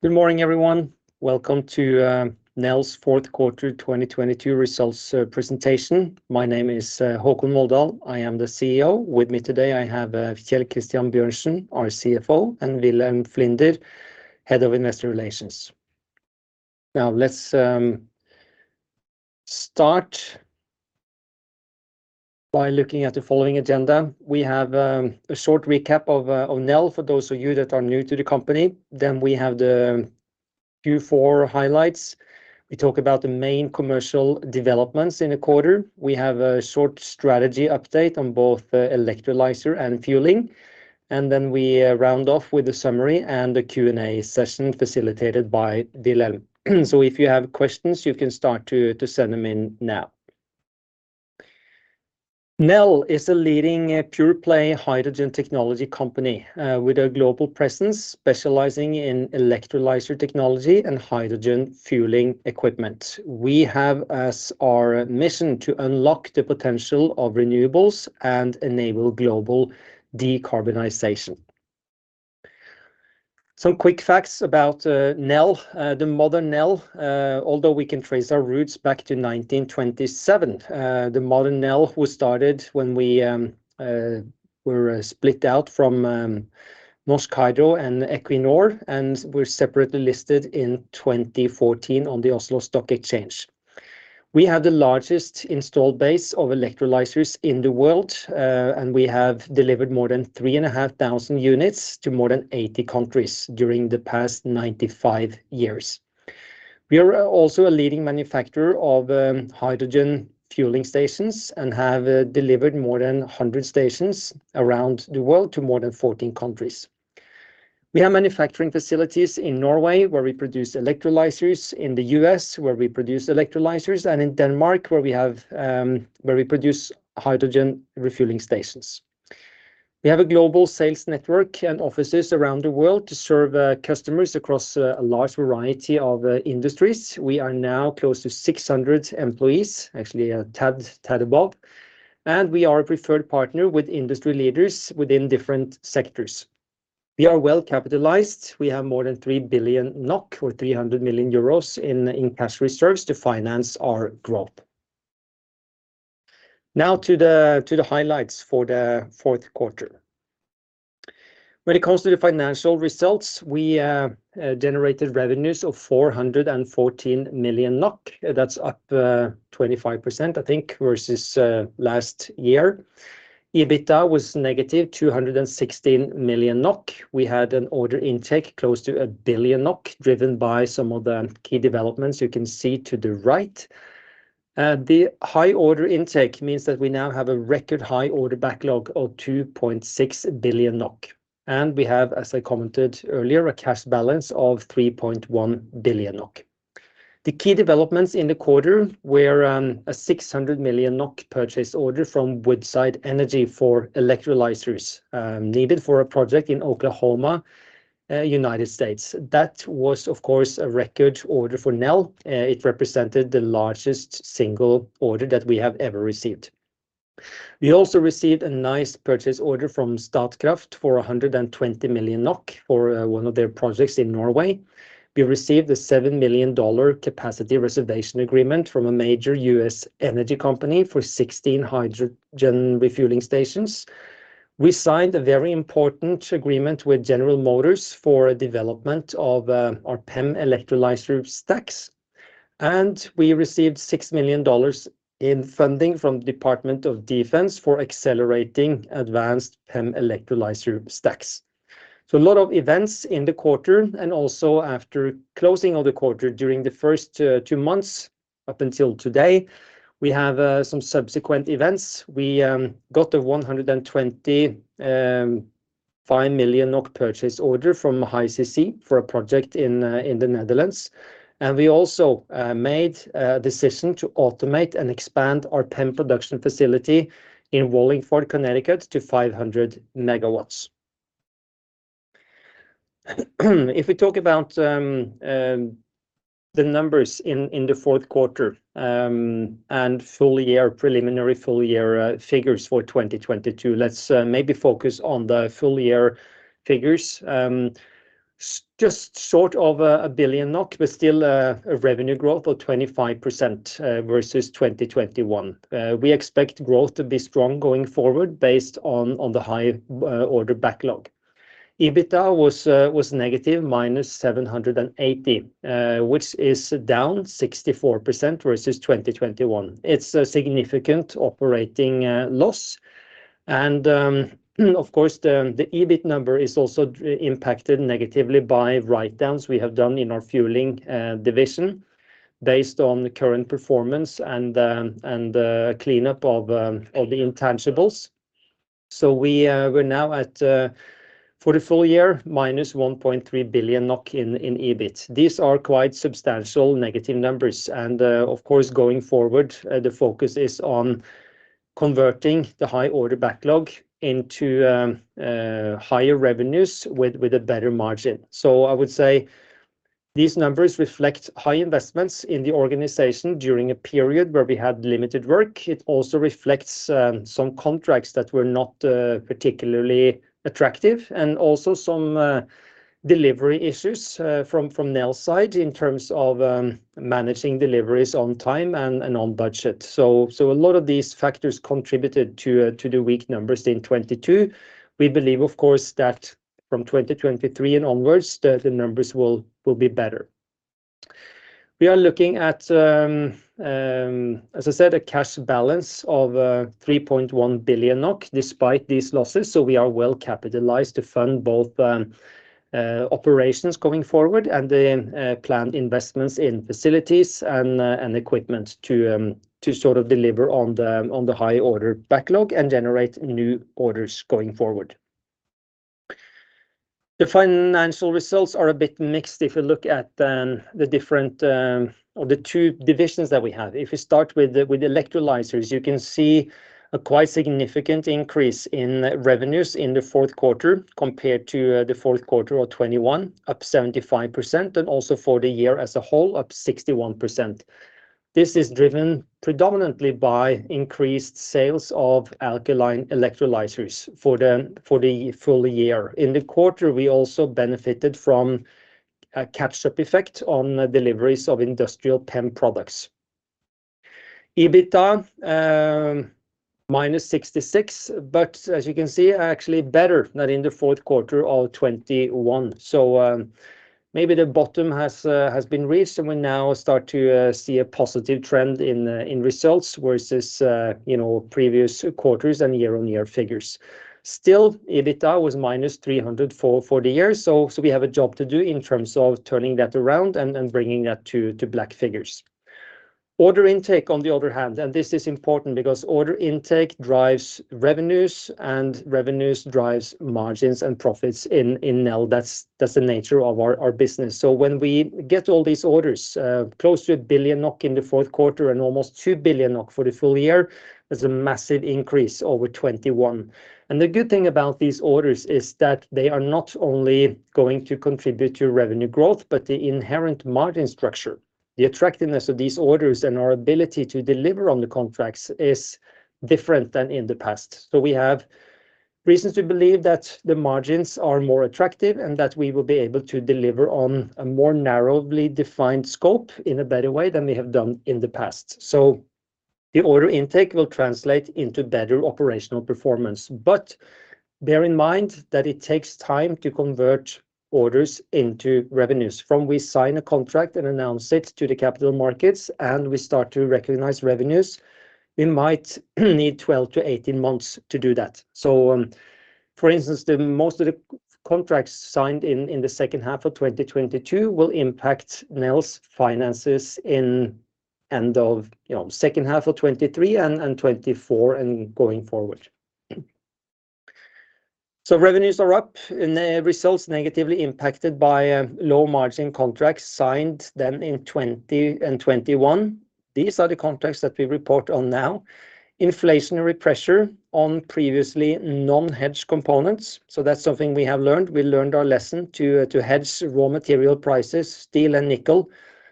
Good morning, everyone. Welcome to Nel's fourth quarter 2022 results presentation. My name is Håkon Volldal. I am the CEO. With me today, I have Kjell Christian Bjørnsen, our CFO, and Wilhelm Flinder, Head of Investor Relations. Now let's start by looking at the following agenda. We have a short recap of Nel for those of you that are new to the company. We have the Q4 highlights. We talk about the main commercial developments in the quarter. We have a short strategy update on both the electrolyser and fueling. We round off with a summary and a Q&A session facilitated by Wilhelm. If you have questions, you can start to send them in now. Nel is a leading pure-play hydrogen technology company with a global presence specializing in electrolyser technology and hydrogen fueling equipment. We have as our mission to unlock the potential of renewables and enable global decarbonization. Some quick facts about Nel, the modern Nel, although we can trace our roots back to 1927. The modern Nel was started when we were split out from Norsk Hydro and Equinor, and we're separately listed in 2014 on the Oslo Stock Exchange. We have the largest installed base of electrolysers in the world, and we have delivered more than 3,500 units to more than 80 countries during the past 95 years. We are also a leading manufacturer of hydrogen fueling stations and have delivered more than 100 stations around the world to more than 14 countries. We have manufacturing facilities in Norway, where we produce electrolysers, in the U.S., where we produce electrolysers, and in Denmark, where we produce hydrogen refueling stations. We have a global sales network and offices around the world to serve customers across a large variety of industries. We are now close to 600 employees, actually a tad above, and we are a preferred partner with industry leaders within different sectors. We are well capitalized. We have more than 3 billion NOK or 300 million euros in cash reserves to finance our growth. Now to the highlights for the fourth quarter. When it comes to the financial results, we generated revenues of 414 million NOK. That's up 25%, I think, versus last year. EBITDA was -216 million NOK. We had an order intake close to 1 billion NOK, driven by some of the key developments you can see to the right. The high order intake means that we now have a record high order backlog of 2.6 billion NOK. We have, as I commented earlier, a cash balance of 3.1 billion NOK. The key developments in the quarter were a 600 million NOK purchase order from Woodside Energy for electrolysers needed for a project in Oklahoma, United States. That was, of course, a record order for Nel. It represented the largest single order that we have ever received. We also received a nice purchase order from Statkraft for 120 million NOK for one of their projects in Norway. We received a $7 million capacity reservation agreement from a major U.S. energy company for 16 hydrogen refueling stations. We signed a very important agreement with General Motors for development of our PEM electrolyser stacks. And we received $6 million in funding from Department of Defense for accelerating advanced PEM electrolyser stacks. So a lot of events in the quarter and also after closing of the quarter during the first two months up until today, we have some subsequent events. We got a 125 million NOK purchase order from HyCC for a project in the Netherlands. And we also made a decision to automate and expand our PEM production facility in Wallingford, Connecticut, to 500 MW. If we talk about the numbers in the fourth quarter and full year, preliminary full-year figures for 2022, let's maybe focus on the full-year figures. Just short of 1 billion NOK, but still a revenue growth of 25% versus 2021. We expect growth to be strong going forward based on the high order backlog. EBITDA was -780 million, which is down 64% versus 2021. It's a significant operating loss. And of course, the EBIT number is also impacted negatively by write-downs we have done in our Fueling division based on the current performance and cleanup of the intangibles. We're now at for the full year, -1.3 billion NOK in EBIT. These are quite substantial negative numbers. Of course, going forward, the focus is on converting the high order backlog into higher revenues with a better margin. So I would say these numbers reflect high investments in the organization during a period where we had limited work. It also reflects some contracts that were not particularly attractive and also some delivery issues from Nel side in terms of managing deliveries on time and on budget. So a lot of these factors contributed to the weak numbers in 2022. We believe, of course, that from 2023 and onwards, the numbers will be better. We are looking at, as I said, a cash balance of 3.1 billion NOK despite these losses. We are well capitalized to fund both operations going forward and the planned investments in facilities and equipment to sort of deliver on the high order backlog and generate new orders going forward. The financial results are a bit mixed if you look at the different or the two divisions that we have. If you start with the Electrolysers, you can see a quite significant increase in revenues in the fourth quarter compared to the fourth quarter of 2021, up 75%, and also for the year as a whole, up 61%. This is driven predominantly by increased sales of alkaline electrolysers for the full year. In the quarter, we also benefited from a catch-up effect on deliveries of industrial PEM products. EBITDA, -66 million, but as you can see, actually better than in the fourth quarter of 2021. Maybe the bottom has been reached, and we now start to see a positive trend in results versus, you know, previous quarters and year-on-year figures. Still EBITDA was -304 million for the year, so we have a job to do in terms of turning that around and bringing that to black figures. Order intake on the other hand, and this is important because order intake drives revenues, and revenues drives margins and profits in Nel. That's the nature of our business. When we get all these orders, close to 1 billion NOK in the fourth quarter and almost 2 billion NOK for the full year, that's a massive increase over 2021. And the good thing about these orders is that they are not only going to contribute to revenue growth, but the inherent margin structure, the attractiveness of these orders and our ability to deliver on the contracts is different than in the past. We have reasons to believe that the margins are more attractive and that we will be able to deliver on a more narrowly defined scope in a better way than we have done in the past. The order intake will translate into better operational performance. Bear in mind that it takes time to convert orders into revenues. From we sign a contract and announce it to the capital markets, and we start to recognize revenues, we might need 12-18 months to do that. For instance, the most of the contracts signed in the second half of 2022 will impact Nel's finances in end of, you know, second half of 2023 and 2024 and going forward. Revenues are up and the results negatively impacted by low margin contracts signed then in 2020 and 2021. These are the contracts that we report on now. Inflationary pressure on previously non-hedged components. That's something we have learned. We learned our lesson to hedge raw material prices, steel and nickel.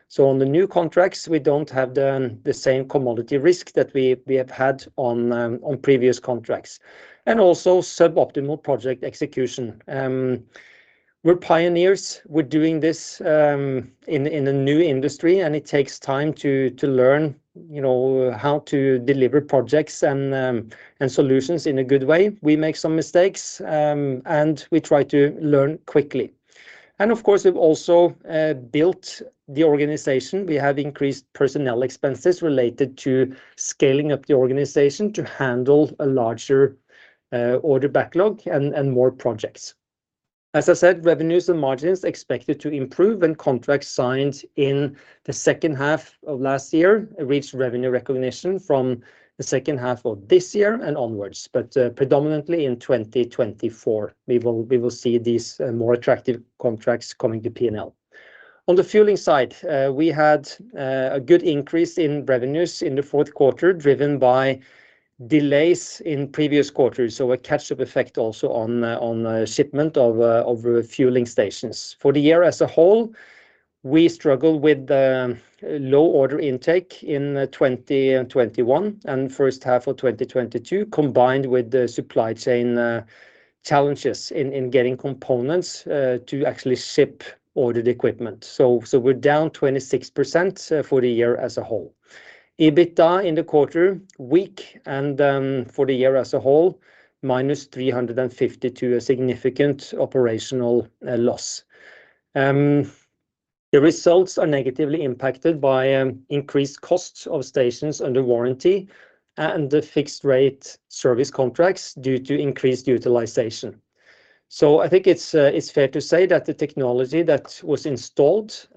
So on the new contracts, we don't have the same commodity risk that we have had on previous contracts, and also sub-optimal project execution. We're pioneers. We're doing this in a new industry, and it takes time to learn, you know, how to deliver projects and solutions in a good way. We make some mistakes, and we try to learn quickly. Of course, we've also built the organization. We have increased personnel expenses related to scaling up the organization to handle a larger order backlog and more projects. As I said, revenues and margins expected to improve when contracts signed in the second half of last year reach revenue recognition from the second half of this year and onwards. Predominantly in 2024, we will see these more attractive contracts coming to P&L. On the Fueling side, we had a good increase in revenues in the fourth quarter, driven by delays in previous quarters, so a catch-up effect also on shipment of fueling stations. For the year as a whole, we struggle with the low order intake in 2021 and first half of 2022, combined with the supply chain challenges in getting components to actually ship ordered equipment. So we're down 26% for the year as a whole. EBITDA in the quarter, weak. And for the year as a whole, -352 million, a significant operational loss. The results are negatively impacted by increased costs of stations under warranty and the fixed rate service contracts due to increased utilization. I think it's fair to say that the technology that was installed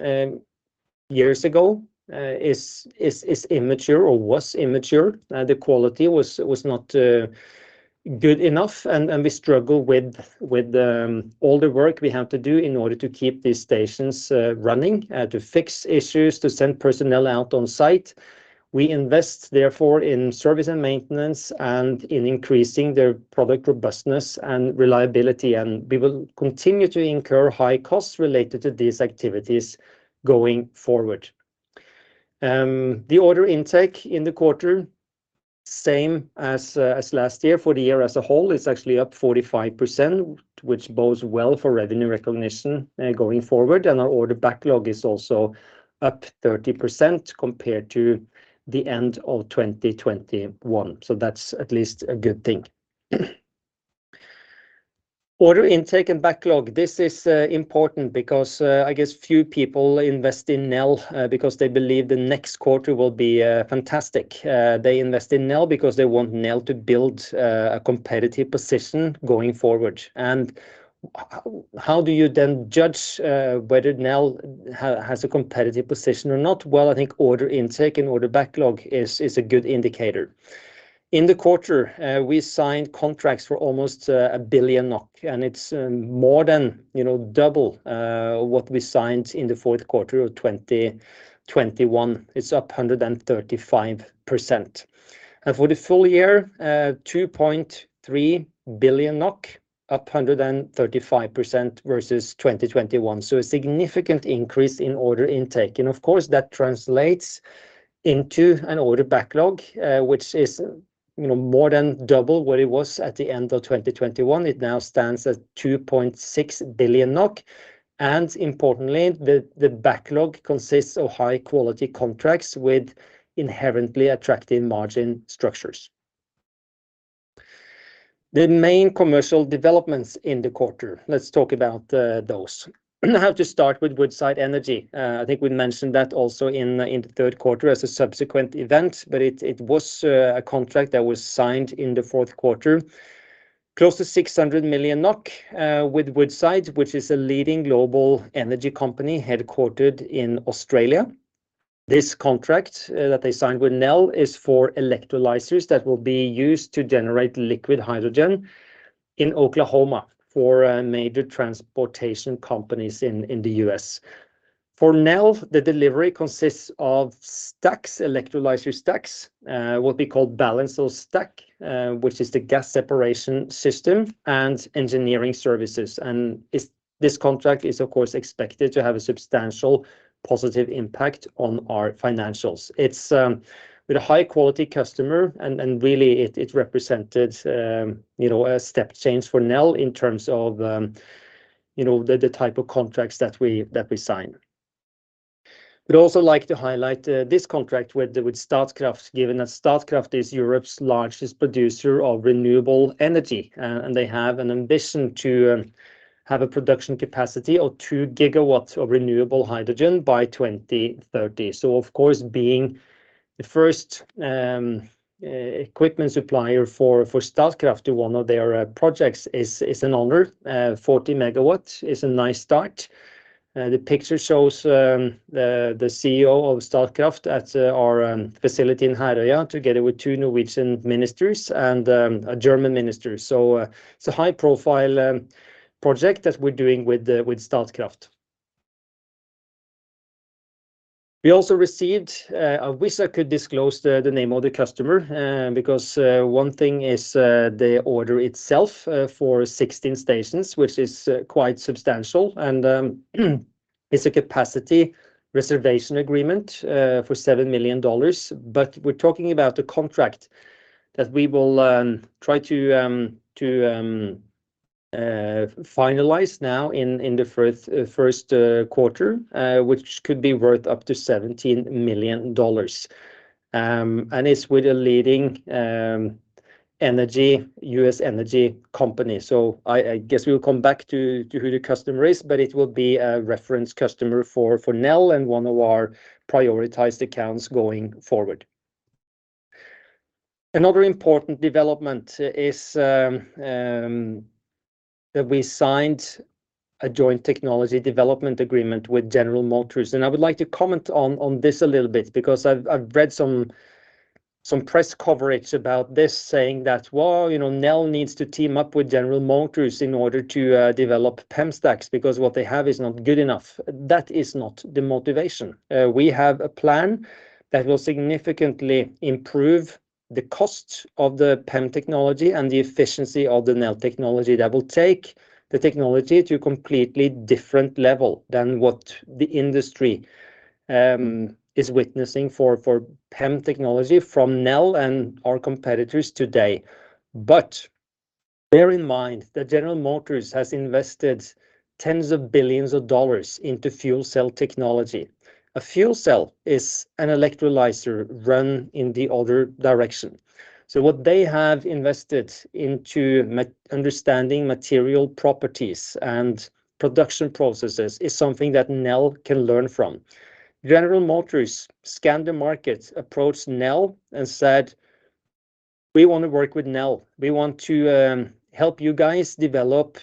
years ago is immature or was immature. The quality was not good enough and we struggle with all the work we have to do in order to keep these stations running, to fix issues, to send personnel out on site. We invest therefore in service and maintenance and in increasing their product robustness and reliability. We will continue to incur high costs related to these activities going forward. The order intake in the quarter, same as last year. For the year as a whole, it's actually up 45%, which bodes well for revenue recognition going forward. Our order backlog is also up 30% compared to the end of 2021. That's at least a good thing. Order intake and backlog, this is important because I guess few people invest in Nel because they believe the next quarter will be fantastic. They invest in Nel because they want Nel to build a competitive position going forward. And how do you then judge whether Nel has a competitive position or not? Well, I think order intake and order backlog is a good indicator. In the quarter, we signed contracts for almost 1 billion NOK, and it's more than, you know, double what we signed in the fourth quarter of 2021. It's up 135%. For the full year, 2.3 billion NOK, up 135% versus 2021, so a significant increase in order intake. Of course, that translates into an order backlog, which is, you know, more than double what it was at the end of 2021. It now stands at 2.6 billion NOK. Importantly, the backlog consists of high-quality contracts with inherently attractive margin structures. The main commercial developments in the quarter, let's talk about those. I have to start with Woodside Energy. I think we mentioned that also in the third quarter as a subsequent event. It was a contract that was signed in the fourth quarter, close to 600 million NOK with Woodside, which is a leading global energy company headquartered in Australia. This contract that they signed with Nel is for electrolysers that will be used to generate liquid hydrogen in Oklahoma for major transportation companies in the U.S. For Nel, the delivery consists of stacks, electrolyser stacks, what we call balance of stack, which is the gas separation system and engineering services. This contract is of course expected to have a substantial positive impact on our financials. It's with a high quality customer and really it represented a step change for Nel in terms of the type of contracts that we, that we sign. We'd also like to highlight this contract with Statkraft, given that Statkraft is Europe's largest producer of renewable energy. And they have an ambition to have a production capacity of 2 GW of renewable hydrogen by 2030. Of course, being the first equipment supplier for Statkraft to one of their projects is an honor. 40 MW is a nice start. The picture shows the CEO of Statkraft at our facility in Herøya together with two Norwegian ministers and a German minister. It's a high-profile project that we're doing with Statkraft. We also received, I wish I could disclose the name of the customer because one thing is the order itself for 16 stations, which is quite substantial. And it's a capacity reservation agreement for $7 million. We're talking about a contract that we will try to finalize now in the first quarter, which could be worth up to $17 million, and it's with a leading energy, U.S. energy company. So I guess we'll come back to who the customer is, but it will be a reference customer for Nel and one of our prioritized accounts going forward. Another important development is that we signed a joint technology development agreement with General Motors. I would like to comment on this a little bit because I've read some press coverage about this saying that, "Well, you know, Nel needs to team up with General Motors in order to develop PEM stacks because what they have is not good enough." That is not the motivation. We have a plan that will significantly improve the cost of the PEM technology and the efficiency of the Nel technology that will take the technology to a completely different level than what the industry is witnessing for PEM technology from Nel and our competitors today. But bear in mind that General Motors has invested tens of billions of dollars into fuel cell technology. A fuel cell is an electrolyser run in the other direction. So what they have invested into understanding material properties and production processes is something that Nel can learn from. General Motors scanned the market, approached Nel and said, "We wanna work with Nel. We want to help you guys develop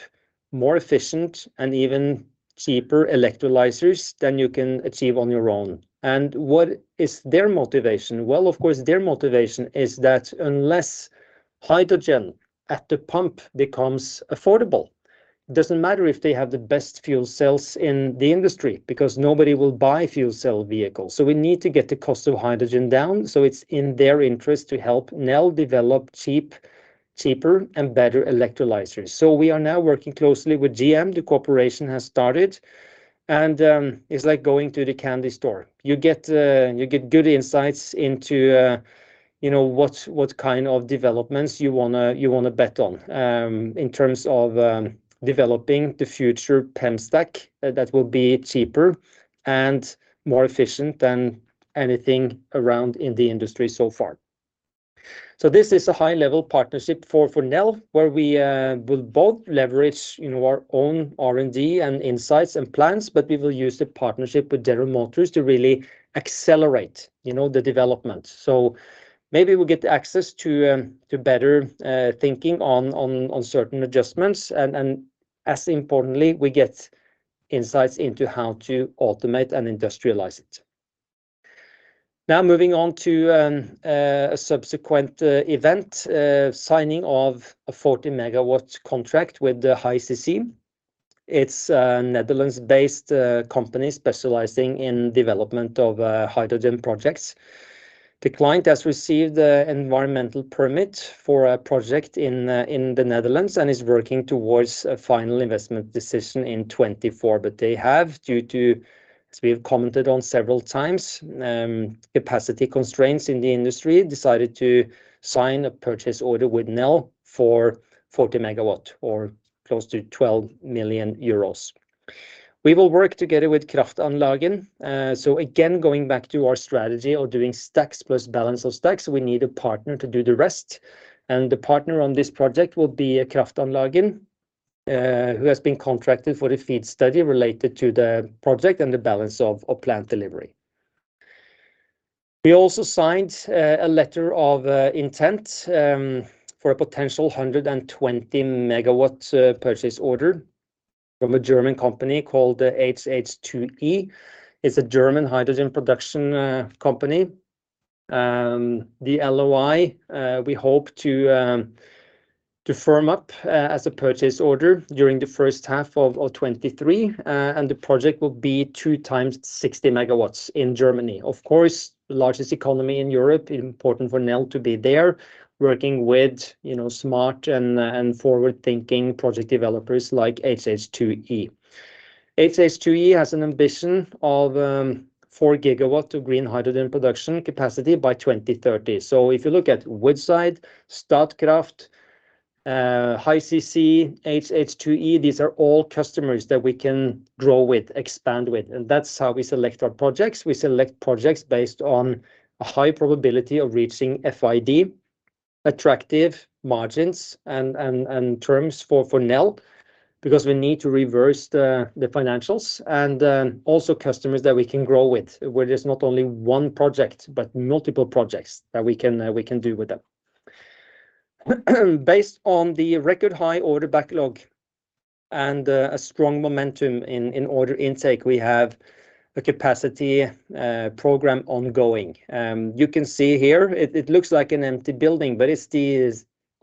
more efficient and even cheaper electrolysers than you can achieve on your own." And what is their motivation? Well, of course, their motivation is that unless hydrogen at the pump becomes affordable, it doesn't matter if they have the best fuel cells in the industry because nobody will buy fuel cell vehicles. We need to get the cost of hydrogen down, so it's in their interest to help Nel develop cheap, cheaper and better electrolysers. We are now working closely with GM. The cooperation has started. It's like going to the candy store. You get good insights into what kind of developments you want to bet on in terms of developing the future PEM stack that will be cheaper and more efficient than anything around in the industry so far. This is a high-level partnership for Nel, where we will both leverage our own R&D and insights and plans, but we will use the partnership with General Motors to really accelerate the development. Maybe we'll get access to better thinking on certain adjustments. As importantly, we get insights into how to automate and industrialize it. Now moving on to a subsequent event, signing of a 40 MW contract with the HyCC. It's a Netherlands-based company specializing in development of hydrogen projects. The client has received the environmental permit for a project in the Netherlands and is working towards a final investment decision in 2024. They have, due to, as we have commented on several times, capacity constraints in the industry, decided to sign a purchase order with Nel for 40 MW or close to 12 million euros. We will work together with Kraftanlagen. Again, going back to our strategy of doing stacks plus balance of stacks, we need a partner to do the rest. And the partner on this project will be Kraftanlagen, who has been contracted for the FEED study related to the project and the balance of plant delivery. We also signed a letter of intent for a potential 120 MW purchase order from a German company called HH2E. It's a German hydrogen production company. The LOI, we hope to firm up as a purchase order during the first half of 2023. The project will be two times 60 MW in Germany. Of course, the largest economy in Europe, important for Nel to be there working with smart and forward-thinking project developers like HH2E. HH2E has an ambition of 4 GW of green hydrogen production capacity by 2030. If you look at Woodside, Statkraft, HyCC, HH2E, these are all customers that we can grow with, expand with. That's how we select our projects. We select projects based on a high probability of reaching FID, attractive margins and terms for Nel, because we need to reverse the financials and also customers that we can grow with, where there's not only one project, but multiple projects that we can do with them. Based on the record high order backlog and a strong momentum in order intake, we have a capacity program ongoing. You can see here, it looks like an empty building, but it's the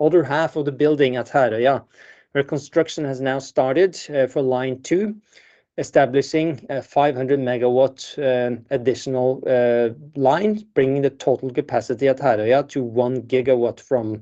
other half of the building at Herøya, where construction has now started for Line 2, establishing a 500 MW additional line, bringing the total capacity at Herøya to 1 GW from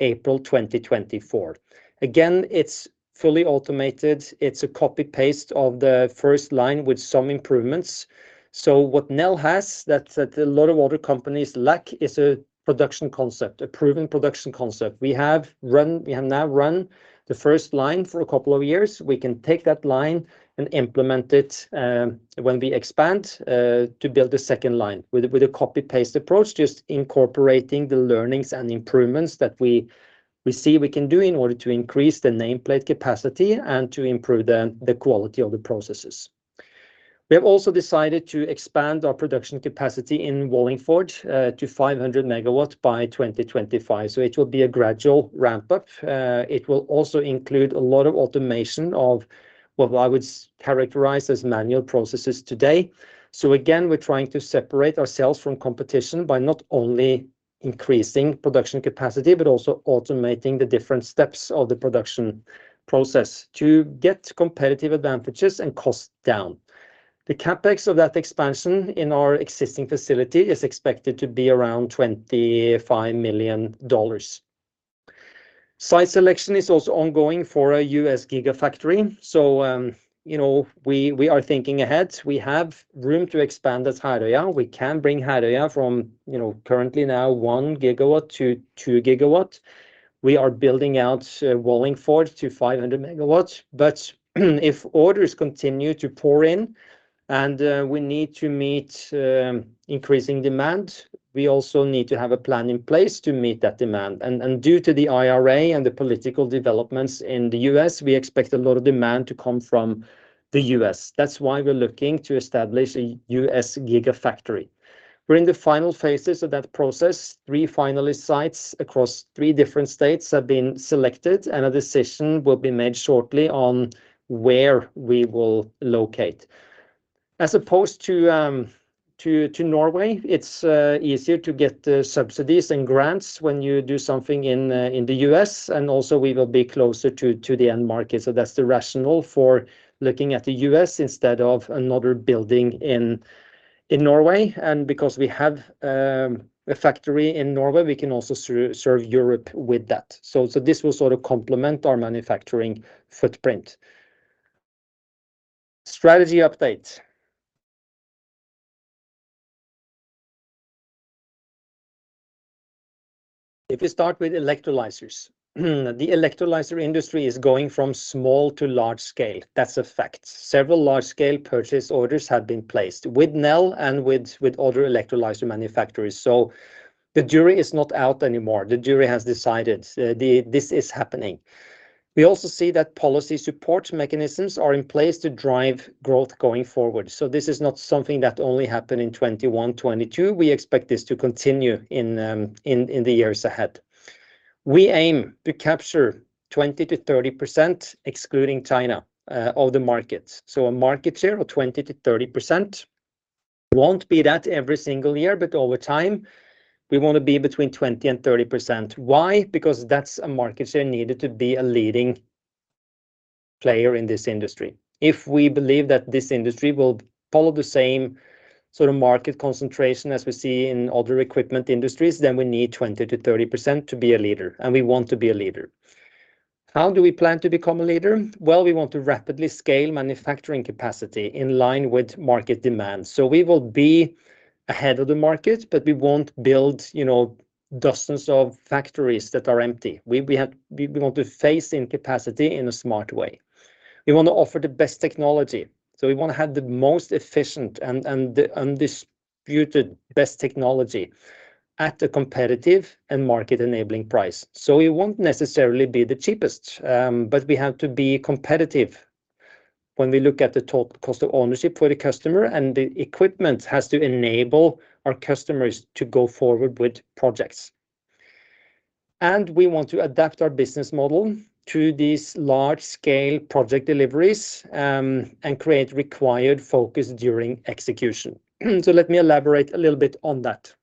April 2024. Again, it's fully automated. It's a copy paste of the first line with some improvements. So what Nel has that a lot of other companies lack is a production concept, a proven production concept. We have now run the first line for a couple of years. We can take that line and implement it when we expand to build a second line with a copy paste approach, just incorporating the learnings and improvements that we see we can do in order to increase the nameplate capacity and to improve the quality of the processes. We have also decided to expand our production capacity in Wallingford to 500 MW by 2025. So it will be a gradual ramp up. It will also include a lot of automation of what I would characterize as manual processes today. So again, we're trying to separate ourselves from competition by not only increasing production capacity, but also automating the different steps of the production process to get competitive advantages and cost down. The CapEx of that expansion in our existing facility is expected to be around $25 million. Site selection is also ongoing for a U.S. gigafactory. So you know, we are thinking ahead. We have room to expand at Herøya. We can bring Herøya from, you know, currently now 1 GW to 2 GW. We are building out Wallingford to 500 MW. But if orders continue to pour in and we need to meet increasing demand, we also need to have a plan in place to meet that demand. And due to the IRA and the political developments in the U.S., we expect a lot of demand to come from the U.S. That's why we're looking to establish a U.S. gigafactory. We're in the final phases of that process. Three finalist sites across three different states have been selected and a decision will be made shortly on where we will locate. As opposed to Norway, it's easier to get subsidies and grants when you do something in the U.S. We will be closer to the end market. So that's the rationale for looking at the U.S. instead of another building in Norway and because we have a factory in Norway, we can also serve Europe with that. This will sort of complement our manufacturing footprint. Strategy update. If you start with electrolysers, the electrolyser industry is going from small to large scale. That's a fact. Several large scale purchase orders have been placed with Nel and with other electrolyser manufacturers. The jury is not out anymore. The jury has decided, this is happening. We also see that policy support mechanisms are in place to drive growth going forward. This is not something that only happened in 2021, 2022. We expect this to continue in the years ahead. We aim to capture 20%-30%, excluding China, of the market. A market share of 20%-30% won't be that every single year. Over time, we wanna be between 20% and 30%. Why? Because that's a market share needed to be a leading player in this industry. If we believe that this industry will follow the same sort of market concentration as we see in other equipment industries, then we need 20%-30% to be a leader, and we want to be a leader. How do we plan to become a leader? Well, we want to rapidly scale manufacturing capacity in line with market demand. So we will be ahead of the market, but we won't build, you know, dozens of factories that are empty. We want to phase in capacity in a smart way. We want to offer the best technology, we wanna have the most efficient and the undisputed best technology at a competitive and market-enabling price. So we won't necessarily be the cheapest, but we have to be competitive when we look at the cost of ownership for the customer, and the equipment has to enable our customers to go forward with projects. And we want to adapt our business model to these large-scale project deliveries and create required focus during execution. So let me elaborate a little bit on that.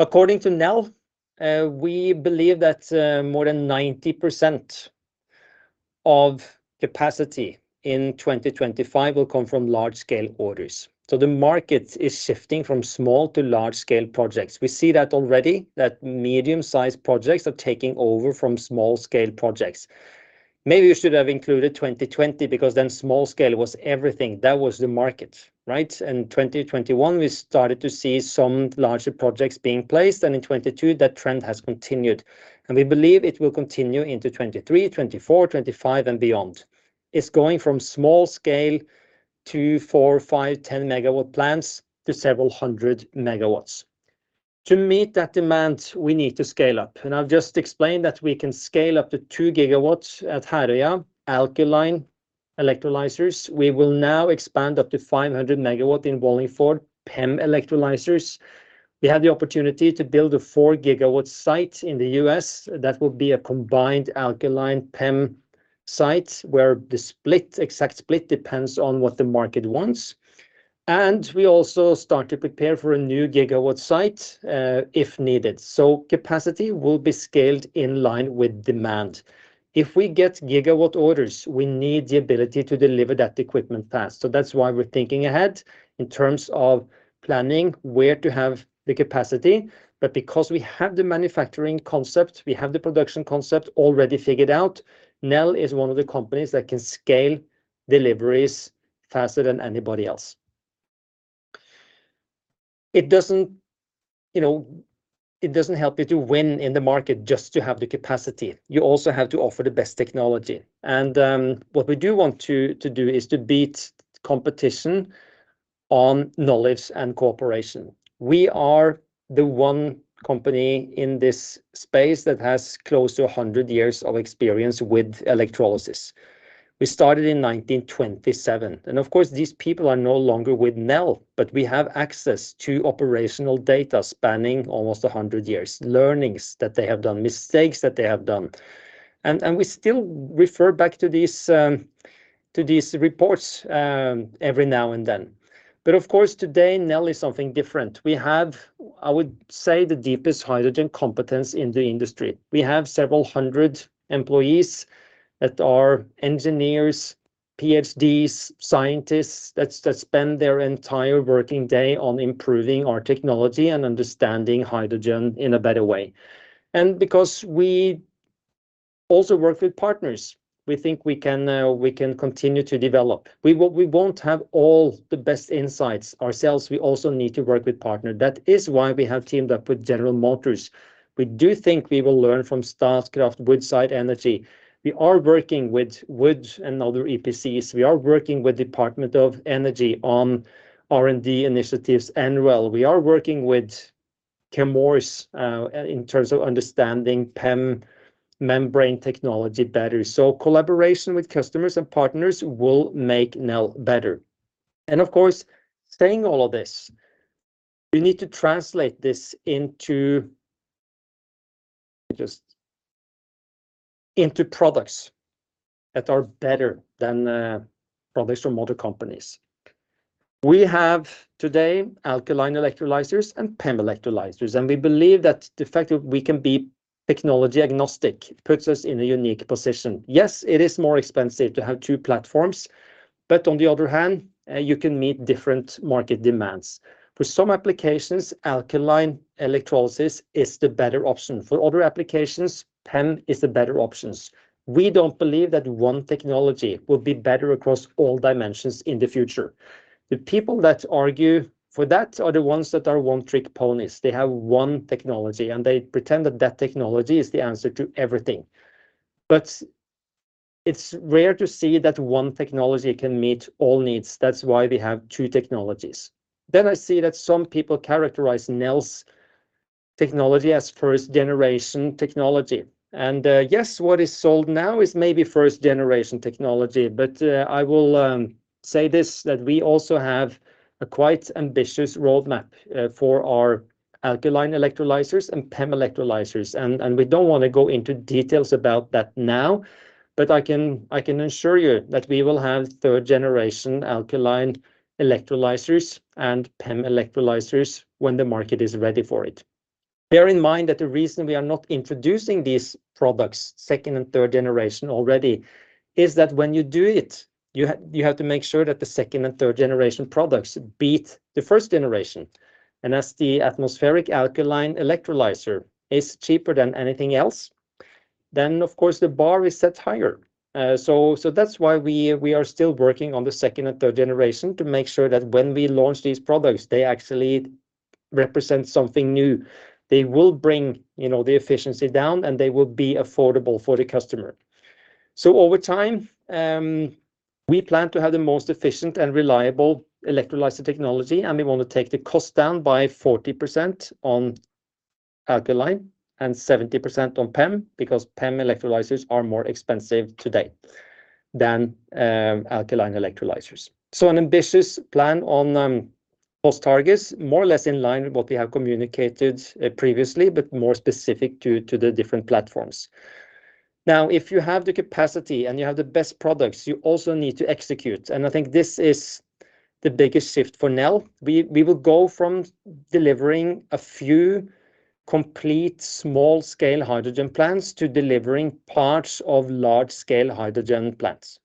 According to Nel, we believe that more than 90% of capacity in 2025 will come from large-scale orders. So the market is shifting from small-scale to large-scale projects. We see that already that medium-sized projects are taking over from small-scale projects. Maybe we should have included 2020 because then small-scale was everything. That was the market, right? In 2021, we started to see some larger projects being placed. In 2022 that trend has continued, and we believe it will continue into 2023, 2024, 2025, and beyond. It's going from small scale to 4 MW, 5 MW, 10 MW plants to several hundred megawatts. To meet that demand, we need to scale up. I've just explained that we can scale up to 2 GW at Herøya alkaline electrolysers. We will now expand up to 500 MW in Wallingford PEM electrolysers. We have the opportunity to build a 4 GW site in the U.S. And that will be a combined alkaline PEM site where the split, exact split depends on what the market wants. And we also start to prepare for a new gigawatt site if needed. So capacity will be scaled in line with demand. If we get gigawatt orders, we need the ability to deliver that equipment fast. So that's why we're thinking ahead in terms of planning where to have the capacity. But because we have the manufacturing concept, we have the production concept already figured out, Nel is one of the companies that can scale deliveries faster than anybody else. It doesn't, you know, it doesn't help you to win in the market just to have the capacity. You also have to offer the best technology. And what we do want to do is to beat competition on knowledge and cooperation. We are the one company in this space that has close to 100 years of experience with electrolysis. We started in 1927, and of course, these people are no longer with Nel. But we have access to operational data spanning almost 100 years. Learnings that they have done, mistakes that they have done, and we still refer back to these reports every now and then. But of course, today, Nel is something different. We have, I would say, the deepest hydrogen competence in the industry. We have several hundred employees that are engineers, PhDs, scientists that spend their entire working day on improving our technology and understanding hydrogen in a better way. Because we also work with partners, we think we can continue to develop. We won't have all the best insights ourselves. We also need to work with partners. That is why we have teamed up with General Motors. We do think we will learn from Statkraft, Woodside Energy. We are working with Woods and other EPCs. We are working with Department of Energy on R&D initiatives. NREL, we are working with Chemours in terms of understanding PEM membrane technology better. So collaboration with customers and partners will make Nel better. And of course, saying all of this, we need to translate this into products that are better than products from other companies. We have today alkaline electrolysers and PEM electrolysers, and we believe that the fact that we can be technology agnostic puts us in a unique position. Yes, it is more expensive to have two platforms but on the other hand, you can meet different market demands. For some applications, alkaline electrolysis is the better option. For other applications, PEM is the better options. We don't believe that one technology will be better across all dimensions in the future. The people that argue for that are the ones that are one-trick ponies. They have one technology, and they pretend that that technology is the answer to everything. But it's rare to see that one technology can meet all needs. That's why we have two technologies. Then I see that some people characterize Nel's technology as first generation technology, and yes, what is sold now is maybe first-generation technology. I will say this, that we also have a quite ambitious roadmap for our alkaline electrolysers and PEM electrolysers, and we don't wanna go into details about that now, but I can assure you that we will have third-generation alkaline electrolysers and PEM electrolysers when the market is ready for it. Bear in mind that the reason we are not introducing these products, second and third generation already, is that when you do it, you have to make sure that the second and third generation products beat the first generation. As the atmospheric alkaline electrolyser is cheaper than anything else, then of course the bar is set higher. So that's why we are still working on the second and third generation to make sure that when we launch these products, they actually represent something new. They will bring, you know, the efficiency down, and they will be affordable for the customer. So over time, we plan to have the most efficient and reliable electrolyser technology, and we want to take the cost down by 40% on alkaline and 70% on PEM because PEM electrolysers are more expensive today than alkaline electrolysers. So an ambitious plan on those targets, more or less in line with what we have communicated previously but more specific to the different platforms. Now if you have the capacity and you have the best products, you also need to execute, and I think this is the biggest shift for Nel. We will go from delivering a few complete small-scale hydrogen plants to delivering parts of large-scale hydrogen plants.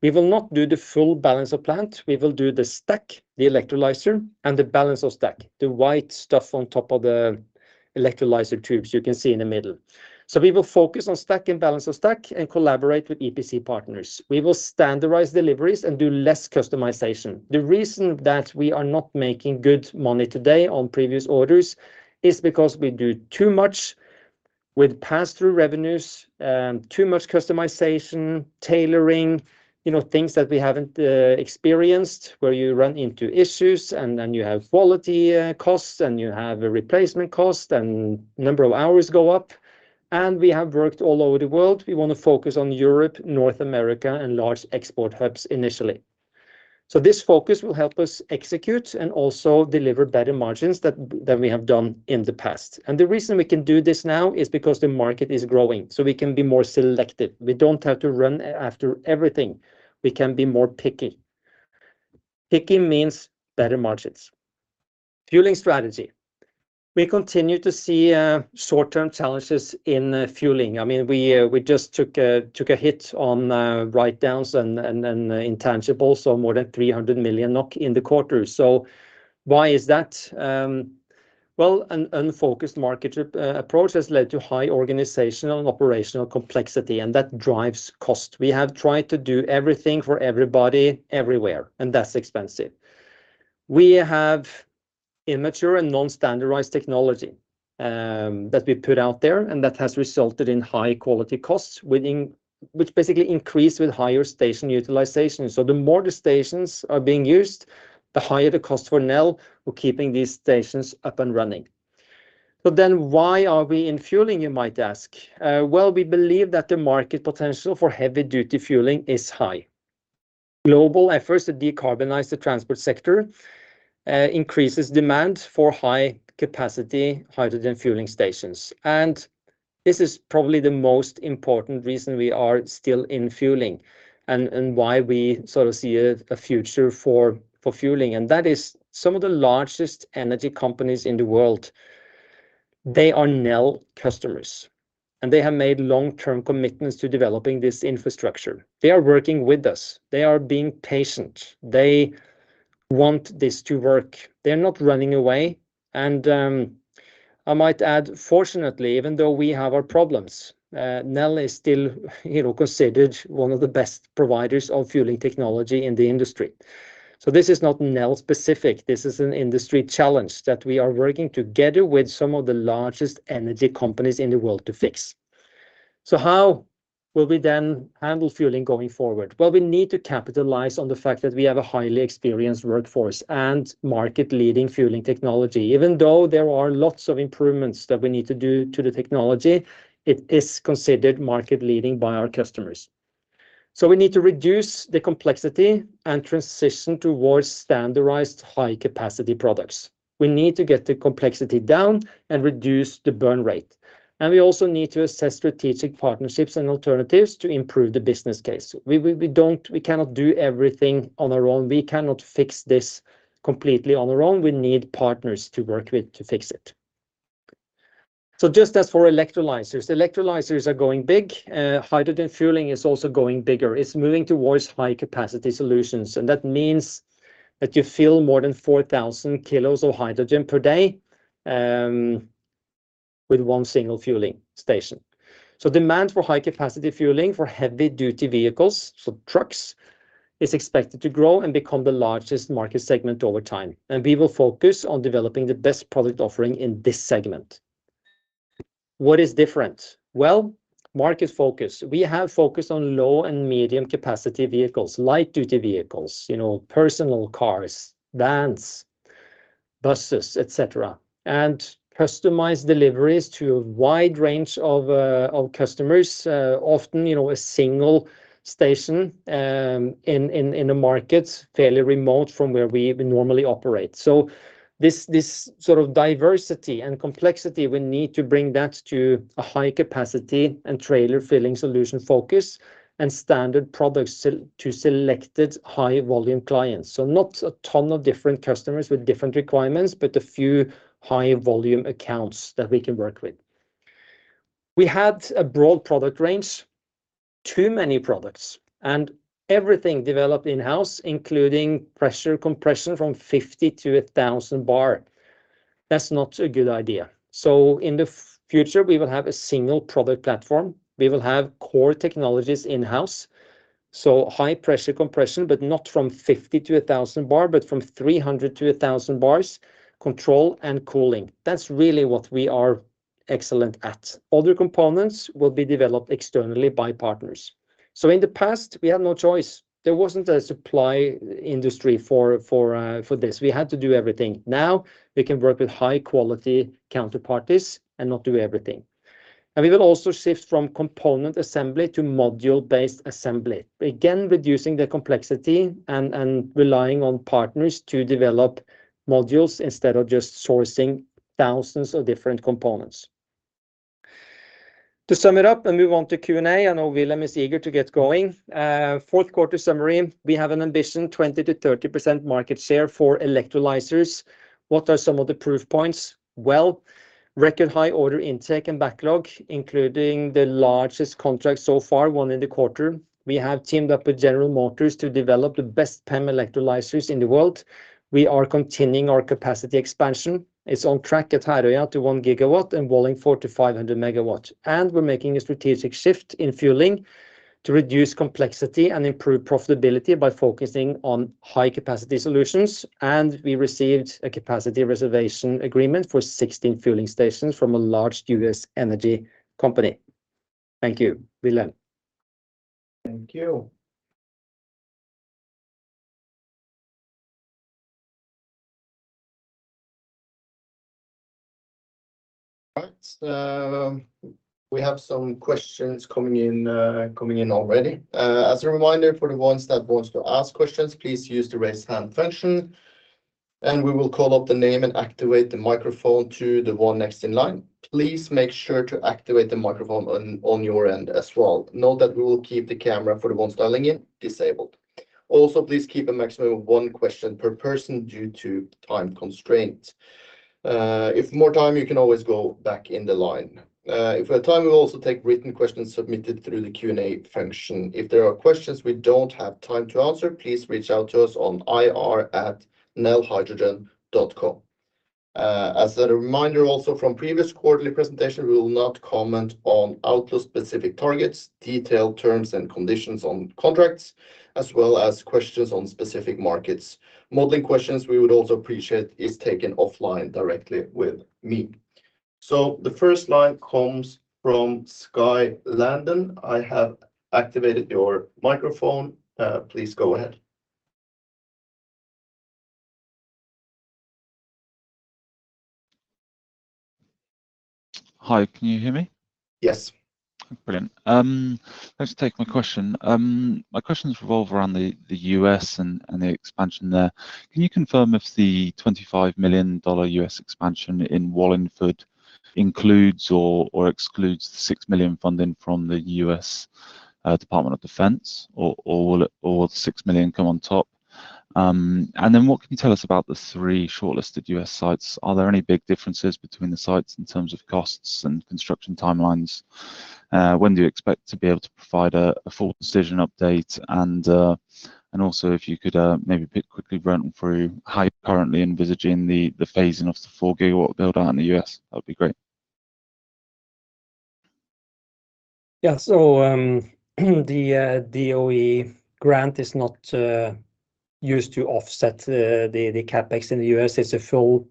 We will not do the full balance of plant. We will do the stack, the electrolyser, and the balance of stack, the white stuff on top of the electrolyser tubes you can see in the middle. So we will focus on stack and balance of stack and collaborate with EPC partners. We will standardize deliveries and do less customization. The reason that we are not making good money today on previous orders is because we do too much with pass-through revenues, too much customization, tailoring, you know, things that we haven't experienced, where you run into issues and then you have quality costs, and you have a replacement cost, and number of hours go up. And we have worked all over the world. We wanna focus on Europe, North America, and large export hubs initially. So this focus will help us execute and also deliver better margins than we have done in the past. And the reason we can do this now is because the market is growing, so we can be more selective. We don't have to run after everything. We can be more picky. Picky means better margins. Fueling strategy. We continue to see short-term challenges in fueling. I mean, we just took a hit on write-downs and intangibles, so more than 300 million NOK in the quarter. So why is that? Well, an unfocused market approach has led to high organizational and operational complexity, and that drives cost. We have tried to do everything for everybody everywhere, and that's expensive. We have immature and non-standardized technology that we put out there, and that has resulted in high quality costs which basically increase with higher station utilization. So the more the stations are being used, the higher the cost for Nel of keeping these stations up and running. So then why are we in fueling, you might ask. Well, we believe that the market potential for heavy-duty fueling is high. Global efforts to decarbonize the transport sector increases demand for high-capacity hydrogen fueling stations. And this is probably the most important reason we are still in fueling and why we sort of see a future for fueling. And that is some of the largest energy companies in the world, they are Nel customers, and they have made long-term commitments to developing this infrastructure. They are working with us. They are being patient. They want this to work. They're not running away. I might add, fortunately, even though we have our problems, Nel is still, you know, considered one of the best providers of fueling technology in the industry. So this is not Nel specific. This is an industry challenge that we are working together with some of the largest energy companies in the world to fix. So how will we then handle fueling going forward? Well, we need to capitalize on the fact that we have a highly experienced workforce and market-leading fueling technology. Even though there are lots of improvements that we need to do to the technology, it is considered market-leading by our customers. So we need to reduce the complexity and transition towards standardized high-capacity products. We need to get the complexity down and reduce the burn rate. We also need to assess strategic partnerships and alternatives to improve the business case. We cannot do everything on our own. We cannot fix this completely on our own. We need partners to work with to fix it. So just as for electrolysers. Electrolysers are going big. Hydrogen fueling is also going bigger. It's moving towards high-capacity solutions, and that means that you fill more than 4,000 kilos of hydrogen per day with one single fueling station. So demand for high-capacity fueling for heavy-duty vehicles, so trucks, is expected to grow and become the largest market segment over time. And we will focus on developing the best product offering in this segment. What is different? Well, market focus. We have focused on low- and medium-capacity vehicles, light-duty vehicles, you know, personal cars, vans, buses, et cetera, and customized deliveries to a wide range of customers, often, you know, a single station in the markets fairly remote from where we normally operate. This sort of diversity and complexity, we need to bring that to a high capacity and trailer-filling solution focus and standard products to selected high-volume clients. So not a ton of different customers with different requirements, but a few high-volume accounts that we can work with. We had a broad product range, too many products, and everything developed in-house, including pressure compression from 50-1,000 bar. That's not a good idea. So in the future, we will have a single product platform. We will have core technologies in-house. So high pressure compression, but not from 50-1,000 bar, but from 300-1,000 bars, control and cooling. That's really what we are excellent at. Other components will be developed externally by partners. In the past, we had no choice. There wasn't a supply industry for this. We had to do everything. Now we can work with high quality counterparties and not do everything. We will also shift from component assembly to module-based assembly. Again, reducing the complexity and relying on partners to develop modules instead of just sourcing thousands of different components. To sum it up and move on to Q&A, I know Wilhelm is eager to get going. Fourth quarter summary, we have an ambition, 20%-30% market share for electrolysers. What are some of the proof points? Well, record high order intake and backlog, including the largest contract so far, won in the quarter. We have teamed up with General Motors to develop the best PEM electrolysers in the world. We are continuing our capacity expansion. It's on track at Herøya to 1 GW and Wallingford to 500 MW. And we're making a strategic shift in fueling to reduce complexity and improve profitability by focusing on high-capacity solutions. And we received a capacity reservation agreement for 16 fueling stations from a large U.S. energy company. Thank you. Wilhelm? Thank you. All right. We have some questions coming in, coming in already. As a reminder, for the ones that wants to ask questions, please use the Raise Hand function, and we will call up the name and activate the microphone to the one next in line. Please make sure to activate the microphone on your end as well. Note that we will keep the camera for the ones dialing in disabled. Please keep a maximum of one question per person due to time constraint. If more time, you can always go back in the line. If we have time, we will also take written questions submitted through the Q&A function. If there are questions we don't have time to answer, please reach out to us on ir@nelhydrogen.com. As a reminder also from previous quarterly presentation, we will not comment on outlook specific targets, detailed terms and conditions on contracts, as well as questions on specific markets. Multi-questions we would also appreciate is taken offline directly with me. So the first line comes from Skye Landon. I have activated your microphone. Please go ahead. Hi, can you hear me? Yes. Brilliant. Thanks for taking my question. My questions revolve around the U.S. and the expansion there. Can you confirm if the $25 million U.S. expansion in Wallingford includes or excludes the $6 million funding from the U.S. Department of Defense or will the $6 million come on top? And then what can you tell us about the three shortlisted U.S. sites? Are there any big differences between the sites in terms of costs and construction timelines? When do you expect to be able to provide a full decision update? And also, if you could maybe quickly run through how you're currently envisaging the phasing of the 4 GW buildout in the U.S., that would be great. Yeah. So the DOE grant is not used to offset the CapEx in the U.S. It's a full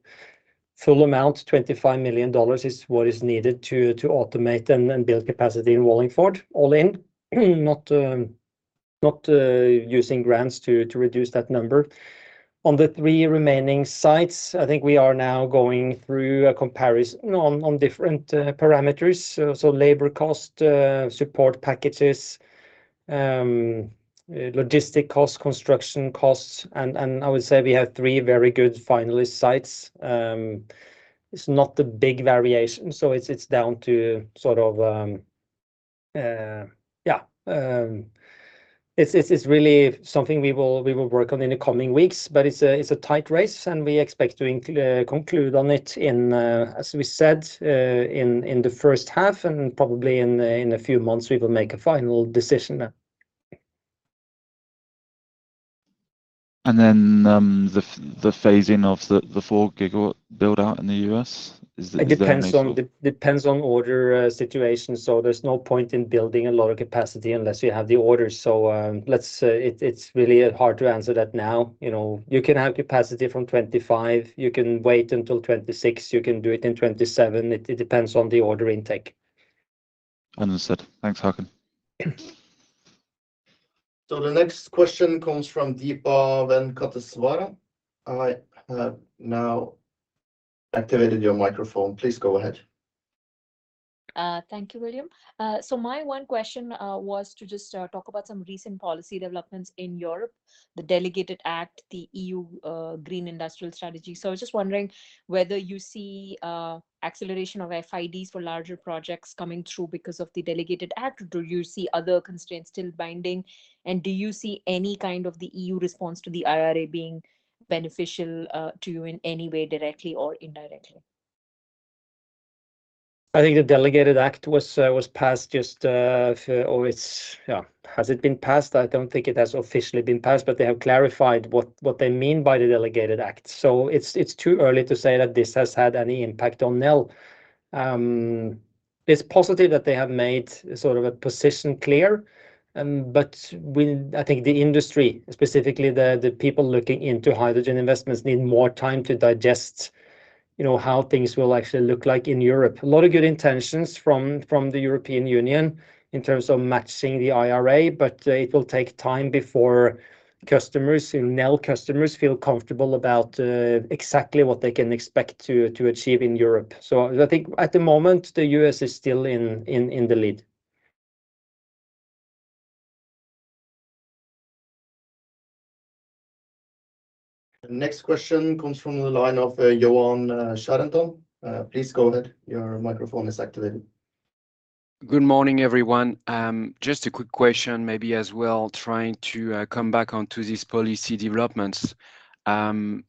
amount. $25 million is what is needed to automate and build capacity in Wallingford all in, not using grants to reduce that number. On the three remaining sites, I think we are now going through a comparison on different parameters. So labor cost, support packages, logistic cost, construction costs, and I would say we have three very good finalist sites. It's not a big variation, so it's down to sort of, yeah. It's really something we will work on in the coming weeks, but it's a tight race, and we expect to conclude on it in, as we said, in the first half, and probably in a few months we will make a final decision. The phasing of the 4 GW build-out in the U.S., is there any sort of? It depends on order situation. So there's no point in building a lot of capacity unless you have the orders. So it's really hard to answer that now. You know, you can have capacity from 2025, you can wait until 2026, you can do it in 2027. It depends on the order intake. Understood. Thanks, Håkon. Yeah. The next question comes from Deepa Venkateswaran. I have now activated your microphone. Please go ahead. Thank you, Wilhelm. My one question was to just talk about some recent policy developments in Europe, the Delegated Act, the EU green industrial strategy. So I was just wondering whether you see acceleration of FIDs for larger projects coming through because of the Delegated Act? Do you see other constraints still binding, and do you see any kind of the EU response to the IRA being beneficial to you in any way, directly or indirectly? I think the Delegated Act was passed just for... or it's, yeah. Has it been passed? I don't think it has officially been passed. They have clarified what they mean by the Delegated Act. So it's too early to say that this has had any impact on Nel. It's positive that they have made sort of a position clear. I think the industry, specifically the people looking into hydrogen investments, need more time to digest, you know, how things will actually look like in Europe. A lot of good intentions from the European Union in terms of matching the IRA. It will take time before customers, you know, Nel customers feel comfortable about exactly what they can expect to achieve in Europe. So I think at the moment, the U.S. is still in the lead. The next question comes from the line of Yoann Charenton. Please go ahead. Your microphone is activated. Good morning, everyone. Just a quick question maybe as well, trying to come back onto these policy developments. Some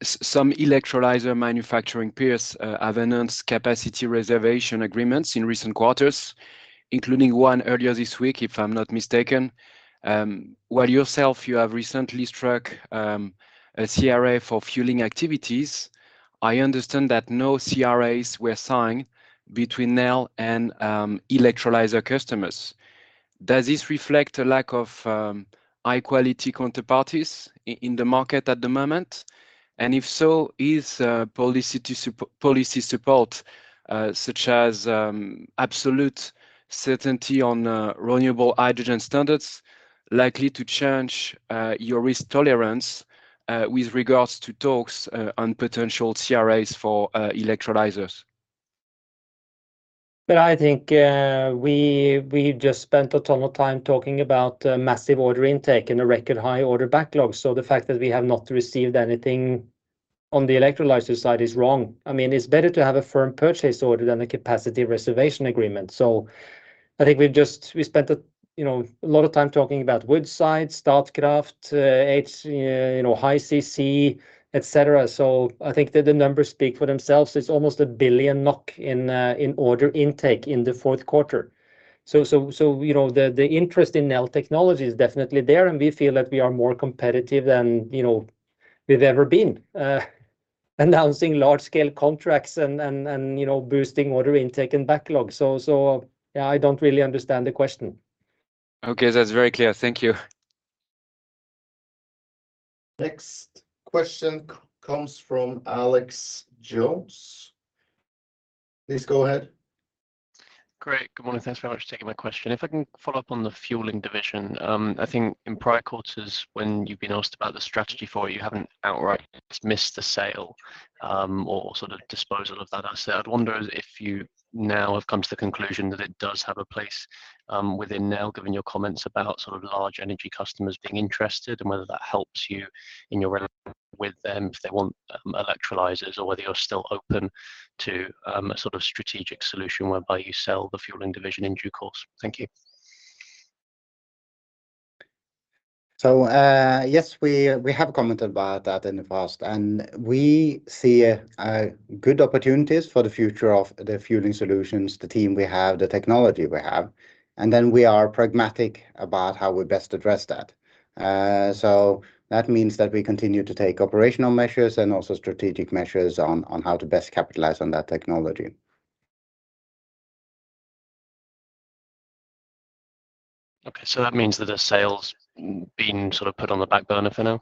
electrolyser manufacturing peers have announced capacity reservation agreements in recent quarters, including one earlier this week, if I'm not mistaken. While yourself, you have recently struck a CRA for fueling activities. I understand that no CRAs were signed between Nel and electrolyser customers. Does this reflect a lack of high-quality counterparties in the market at the moment? If so, is policy support, such as absolute certainty on renewable hydrogen standards likely to change your risk tolerance with regards to talks on potential CRAs for electrolysers? I think we just spent a ton of time talking about massive order intake and a record high order backlog. The fact that we have not received anything on the electrolyser side is wrong. I mean, it's better to have a firm purchase order than a capacity reservation agreement. I think we spent a, you know, a lot of time talking about Woodside, Statkraft, you know, HyCC, et cetera. I think that the numbers speak for themselves. It's almost 1 billion NOK in order intake in the fourth quarter. You know, the interest in Nel technology is definitely there, and we feel that we are more competitive than, you know, we've ever been, announcing large scale contracts and, you know, boosting order intake and backlog. So yeah, I don't really understand the question. Okay. That's very clear. Thank you. Next question comes from Alex Jones. Please go ahead. Great. Good morning. Thanks very much for taking my question. If I can follow up on the Fueling division. I think in prior quarters when you've been asked about the strategy for it, you haven't outright dismissed the sale, or sort of disposal of that asset. I'd wonder if you now have come to the conclusion that it does have a place within Nel, given your comments about sort of large energy customers being interested and whether that helps you in your relationship with them if they want electrolysers or whether you're still open to, a sort of strategic solution whereby you sell the Fueling division in due course. Thank you. So yes, we have commented about that in the past, and we see good opportunities for the future of the Fueling Solutions, the team we have, the technology we have, and then we are pragmatic about how we best address that. That means that we continue to take operational measures and also strategic measures on how to best capitalize on that technology. Okay. That means that a sale's been sort of put on the back burner for now?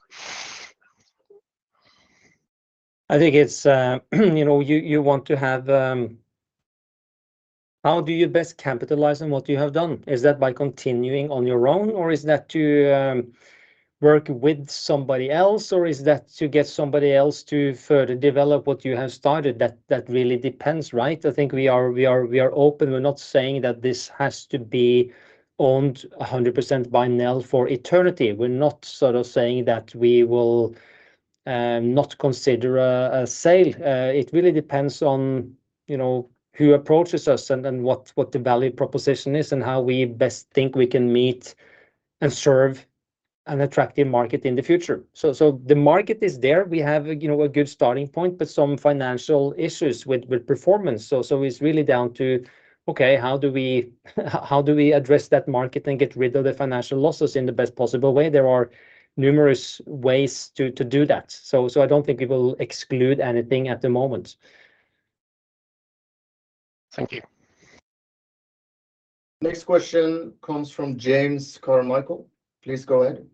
I think it's, you know, you want to have, how do you best capitalize on what you have done? Is that by continuing on your own or is that to work with somebody else or is that to get somebody else to further develop what you have started? That, that really depends, right? I think we are, we are, we are open. We're not saying that this has to be owned 100% by Nel for eternity. We're not sort of saying that we will not consider a sale. It really depends on, you know, who approaches us and what the value proposition is and how we best think we can meet and serve an attractive market in the future. So the market is there. We have a, you know, a good starting point, but some financial issues with performance. It's really down to, okay, how do we address that market and get rid of the financial losses in the best possible way? There are numerous ways to do that. So I don't think we will exclude anything at the moment. Thank you. Next question comes from James Carmichael. Please go ahead.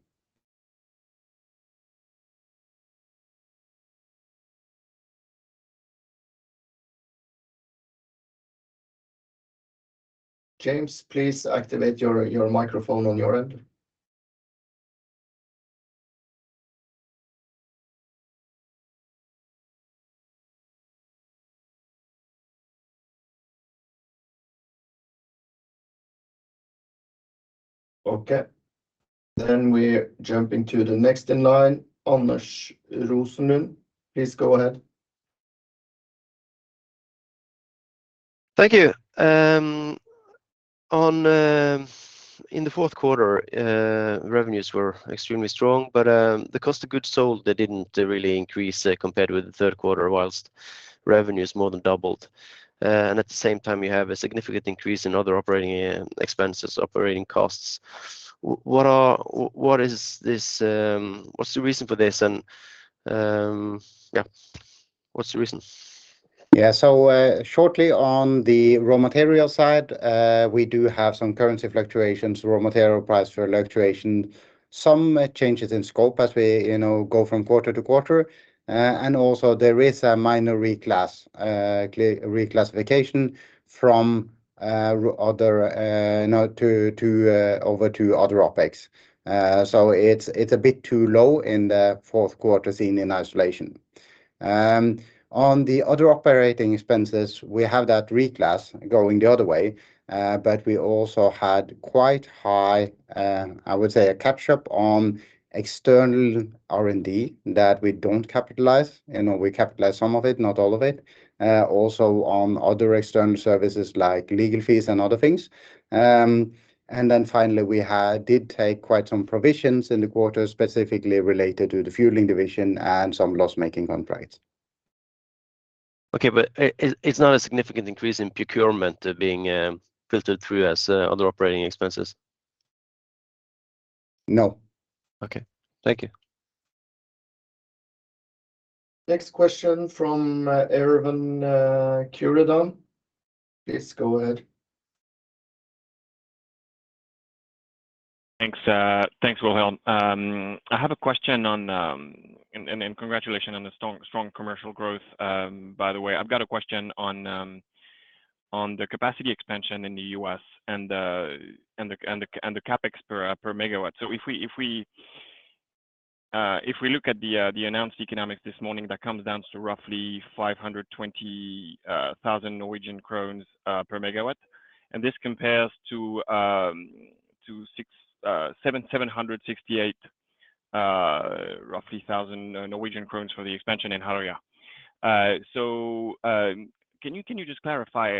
James, please activate your microphone on your end. Okay. We're jumping to the next in line, Anders Rosenlund. Please go ahead. Thank you. In the fourth quarter, revenues were extremely strong. The cost of goods sold, they didn't really increase compared with the third quarter whilst revenue is more than doubled. At the same time, you have a significant increase in other operating expenses, operating costs. What is this? What's the reason for this? And yeah, what's the reason? Yeah. Shortly on the raw material side, we do have some currency fluctuations, raw material price fluctuation, some changes in scope as we, you know, go from quarter-to-quarter. And also there is a minor reclass, reclassification from other, you know, to over to other OpEx. So it's a bit too low in the fourth quarter seen in isolation. On the other operating expenses, we have that reclass going the other way. We also had quite high, I would say a catch up on external R&D that we don't capitalize. You know, we capitalize some of it, not all of it. And also on other external services like legal fees and other things. And then finally, we had, did take quite some provisions in the quarter, specifically related to the Fueling division and some loss-making contracts. Okay. It's not a significant increase in procurement being filtered through as other operating expenses. No. Okay. Thank you. Next question from Erwan Kerouredan. Please go ahead. Thanks, Wilhelm. I have a question on... And congratulations on the strong commercial growth, by the way. I've got a question on the capacity expansion in the U.S. and the CapEx per megawatt. If we look at the announced economics this morning, that comes down to roughly 520,000 per megawatt. This compares to NOK 768,000 roughly for the expansion in Herøya. So can you just clarify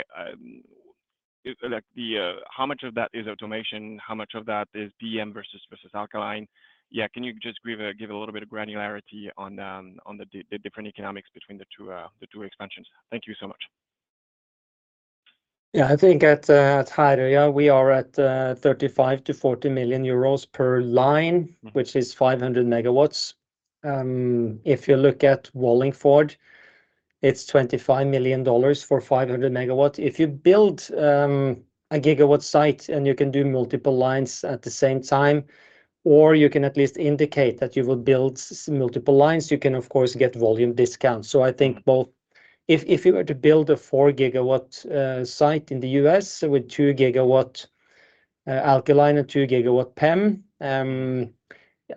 like the how much of that is automation? How much of that is PEM versus alkaline? Yeah. Can you just give a, give a little bit of granularity on the different economics between the two, the two expansions? Thank you so much. Yeah. I think at Herøya, we are at 35 million-40 million euros per line, which is 500 MW. If you look at Wallingford, it's $25 million for 500 MW. If you build a gigawatt site, and you can do multiple lines at the same time, or you can at least indicate that you will build multiple lines, you can, of course, get volume discounts. I think if you were to build a 4 GW site in the U.S. with 2 GW alkaline and 2 GW PEM,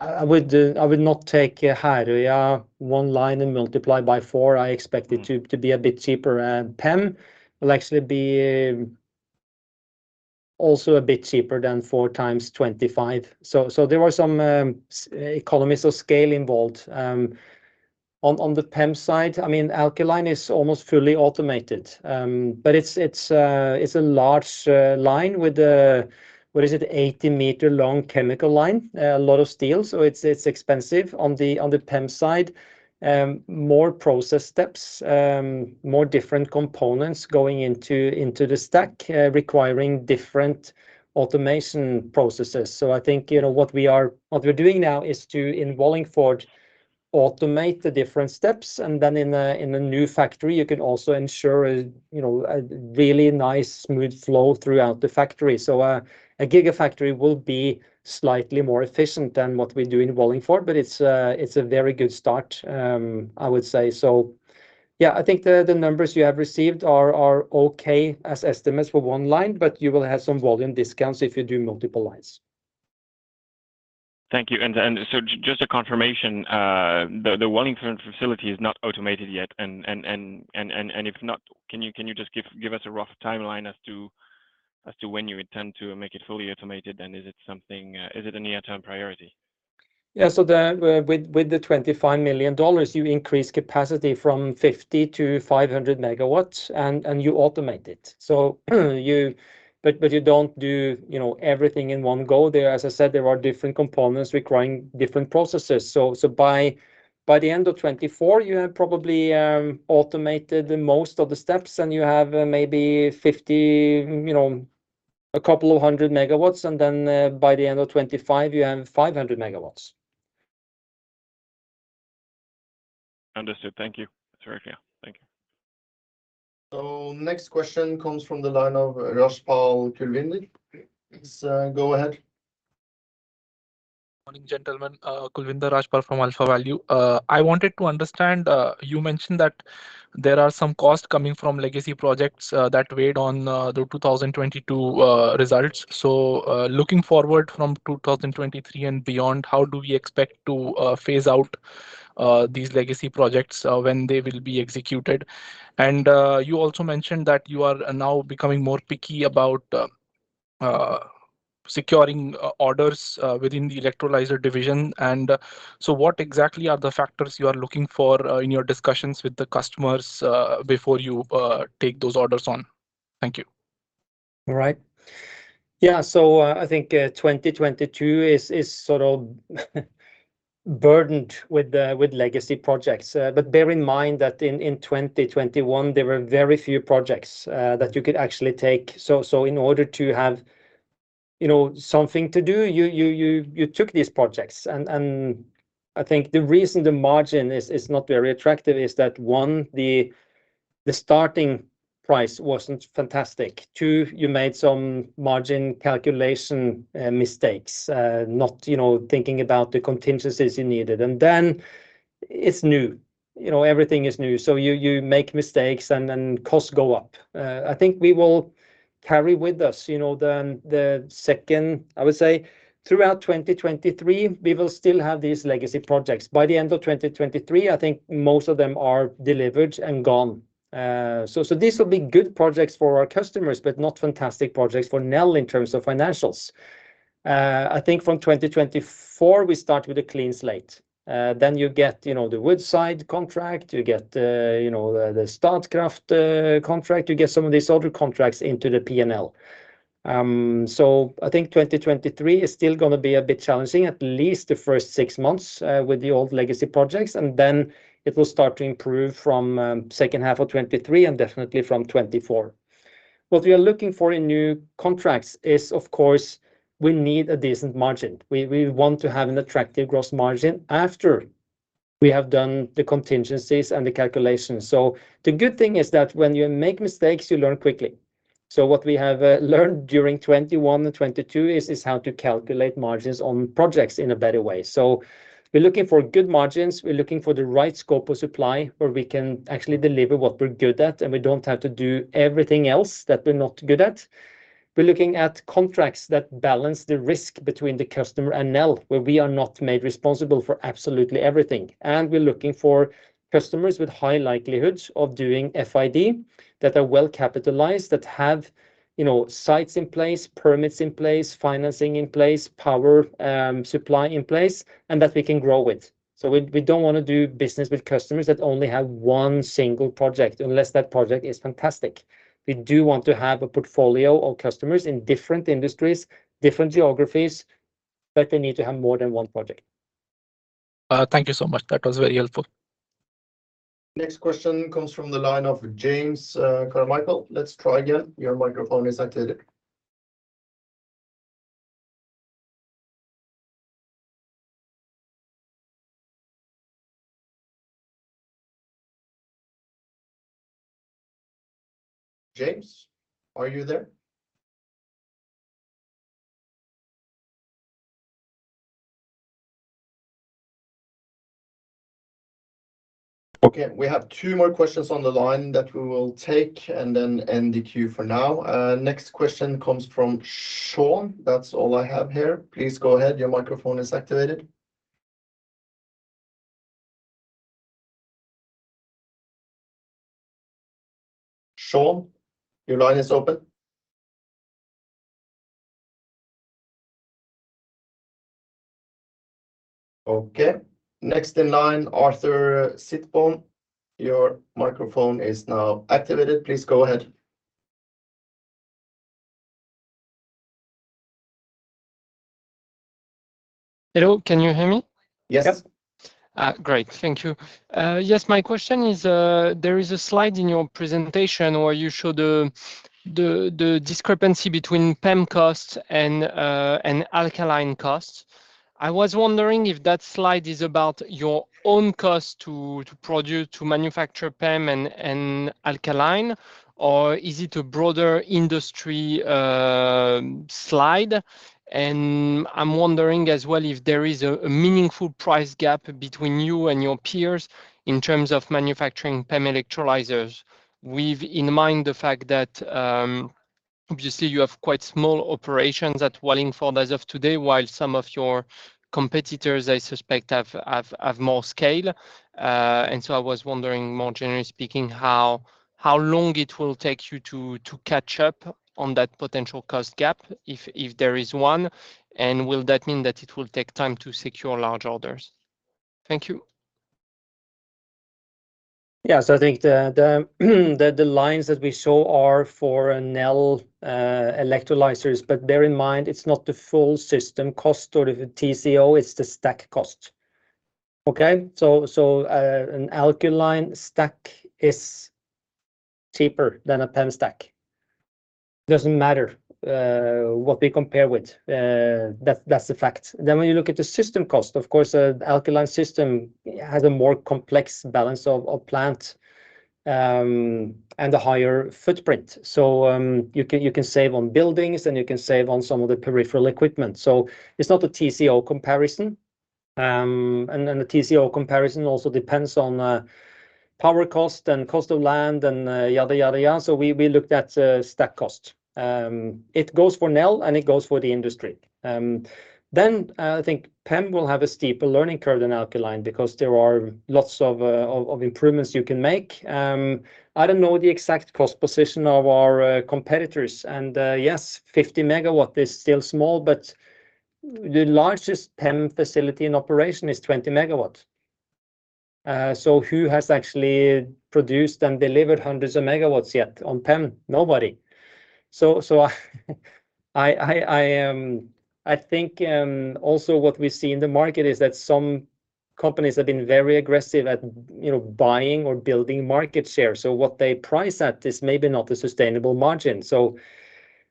I would not take Herøya one line and multiply by four. I expect it to be a bit cheaper, and PEM will actually be also a bit cheaper than four times 25. There were some economies of scale involved. On the PEM side, alkaline is almost fully automated, but it's a large line with a, what is it, 80-meter-long chemical line, a lot of steel. It's expensive. On the PEM side, more process steps, more different components going into the stack, requiring different automation processes. I think, you know, what we're doing now is to, in Wallingford, automate the different steps. And then in a new factory, you can also ensure, you know, a really nice smooth flow throughout the factory. So a gigafactory will be slightly more efficient than what we do in Wallingford, but it's a very good start, I would say. So yeah, I think the numbers you have received are okay as estimates for one line, but you will have some volume discounts if you do multiple lines. Thank you. Just a confirmation, the Wallingford facility is not automated yet. If not, can you just give us a rough timeline as to. As to when you intend to make it fully automated, and is it something, is it a near-term priority? Yeah. With the $25 million, you increase capacity from 50 MW to 500 MW, and you automate it. But you don't do, you know, everything in one go there. As I said, there are different components requiring different processes. So by the end of 2024, you have probably automated the most of the steps, and you have maybe 50 MW, you know, a couple of hundred megawatts. And then, by the end of 2025, you have 500 MW. Understood. Thank you. It's very clear. Thank you. Next question comes from the line of Kulwinder Rajpal. Please go ahead. Morning, gentlemen. Kulwinder Rajpal from AlphaValue. I wanted to understand, you mentioned that there are some costs coming from legacy projects, that weighed on the 2022 results. Looking forward from 2023 and beyond, how do we expect to phase out these legacy projects, when they will be executed? And you also mentioned that you are now becoming more picky about securing orders within the Electrolysers division. What exactly are the factors you are looking for in your discussions with the customers, before you take those orders on? Thank you. All right. Yeah. I think 2022 is sort of burdened with legacy projects. Bear in mind that in 2021, there were very few projects that you could actually take. In order to have, you know, something to do, you took these projects. And I think the reason the margin is not very attractive is that, one, the starting price wasn't fantastic. Two, you made some margin calculation mistakes, not, you know, thinking about the contingencies you needed. And then it's new. You know, everything is new. So you make mistakes, and then costs go up. I think we will carry with us, you know, I would say throughout 2023, we will still have these legacy projects. By the end of 2023, I think most of them are delivered and gone. This will be good projects for our customers, but not fantastic projects for Nel in terms of financials. I think from 2024, we start with a clean slate. Then you get, you know, the Woodside contract, you get, you know, the Statkraft contract, you get some of these other contracts into the P&L. I think 2023 is still gonna be a bit challenging, at least the first six months with the old legacy projects, and then it will start to improve from second half of 2023 and definitely from 2024. What we are looking for in new contracts is, of course, we need a decent margin. We want to have an attractive gross margin after we have done the contingencies and the calculations. So the good thing is that when you make mistakes, you learn quickly. What we have learned during 2021 and 2022 is how to calculate margins on projects in a better way. We're looking for good margins, we're looking for the right scope of supply where we can actually deliver what we're good at, and we don't have to do everything else that we're not good at. We're looking at contracts that balance the risk between the customer and Nel, where we are not made responsible for absolutely everything. We're looking for customers with high likelihoods of doing FID, that are well capitalized, that have, you know, sites in place, permits in place, financing in place, power supply in place, and that we can grow with. We don't wanna do business with customers that only have one single project unless that project is fantastic. We do want to have a portfolio of customers in different industries, different geographies, but they need to have more than one project. Thank you so much. That was very helpful. Next question comes from the line of James Carmichael. Let's try again. Your microphone is activated. James, are you there? We have two more questions on the line that we will take and then end the queue for now. Next question comes from Sean. That's all I have here. Please go ahead. Your microphone is activated. Sean, your line is open. Next in line, Arthur Sitbon. Your microphone is now activated. Please go ahead. Hello, can you hear me? Yes. Great. Thank you. Yes. My question is, there is a slide in your presentation where you show the discrepancy between PEM costs and alkaline costs. I was wondering if that slide is about your own cost to produce, to manufacture PEM and alkaline, or is it a broader industry slide? I'm wondering as well if there is a meaningful price gap between you and your peers in terms of manufacturing PEM electrolysers. With in mind the fact that, obviously, you have quite small operations at Wallingford as of today, while some of your competitors, I suspect, have more scale. I was wondering, more generally speaking, how long it will take you to catch up on that potential cost gap if there is one, and will that mean that it will take time to secure large orders? Thank you. I think the lines that we show are for Nel electrolysers, but bear in mind it's not the full system cost or the TCO, it's the stack cost. Okay? So an alkaline stack is cheaper than a PEM stack. Doesn't matter what we compare with, that's a fact. When you look at the system cost, of course an alkaline system has a more complex balance of plant and a higher footprint. You can save on buildings and you can save on some of the peripheral equipment. So it's not a TCO comparison. And the TCO comparison also depends on power cost and cost of land and yada, yada, yada. We looked at stack cost. It goes for Nel and it goes for the industry. And then I think PEM will have a steeper learning curve than alkaline because there are lots of improvements you can make. I don't know the exact cost position of our competitors and, yes, 50 MW is still small, but the largest PEM facility in operation is 20 MW. Who has actually produced and delivered hundreds of megawatts yet on PEM? Nobody. So I think and also what we see in the market is that some companies have been very aggressive at, you know, buying or building market share. So what they price at is maybe not a sustainable margin. So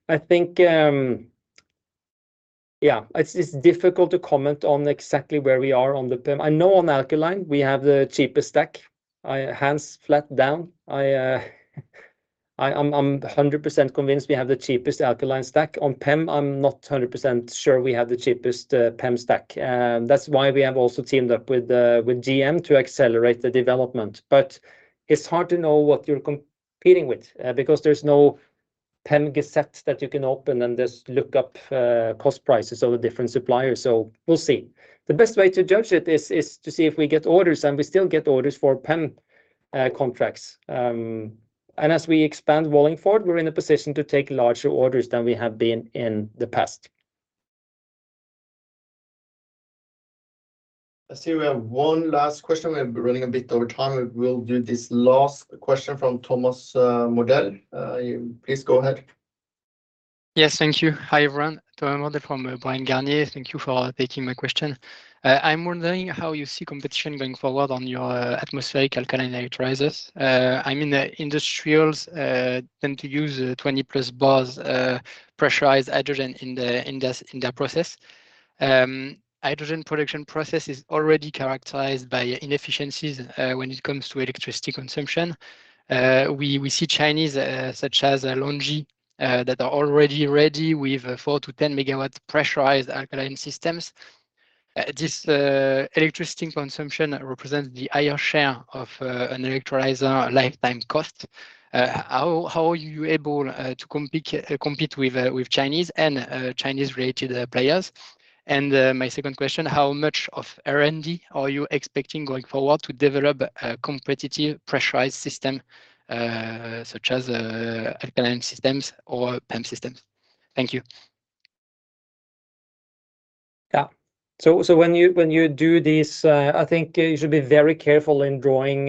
I think it's difficult to comment on exactly where we are on the PEM. I know on alkaline we have the cheapest stack. Hands flat down. I'm 100% convinced we have the cheapest alkaline stack. On PEM, I'm not 100% sure we have the cheapest PEM stack. That's why we have also teamed up with GM to accelerate the development. It's hard to know what you're competing with because there's no PEM gets set that you can open and just look up cost prices of the different suppliers. So we'll see. The best way to judge it is to see if we get orders and we still get orders for PEM contracts. As we expand Wallingford, we're in a position to take larger orders than we have been in the past. I see we have one last question. We're running a bit over time. We'll do this last question from Thomas Mordelle. Please go ahead. Yes. Thank you. Hi, everyone. Thomas Mordelle from Bryan Garnier. Thank you for taking my question. I'm wondering how you see competition going forward on your atmospheric alkaline electrolysers. I mean, industrials tend to use 20+ bars, pressurized hydrogen in their process. Hydrogen production process is already characterized by inefficiencies, when it comes to electricity consumption. We see Chinese, such as LONGi, that are already ready with 4 MW-10 MW pressurized alkaline systems. This electricity consumption represents the higher share of an electrolyser lifetime cost. How are you able to compete with Chinese and Chinese-related players? And my second question, how much of R&D are you expecting going forward to develop a competitive pressurized system, such as alkaline systems or PEM systems? Thank you. Yeah. When you do this, I think you should be very careful in drawing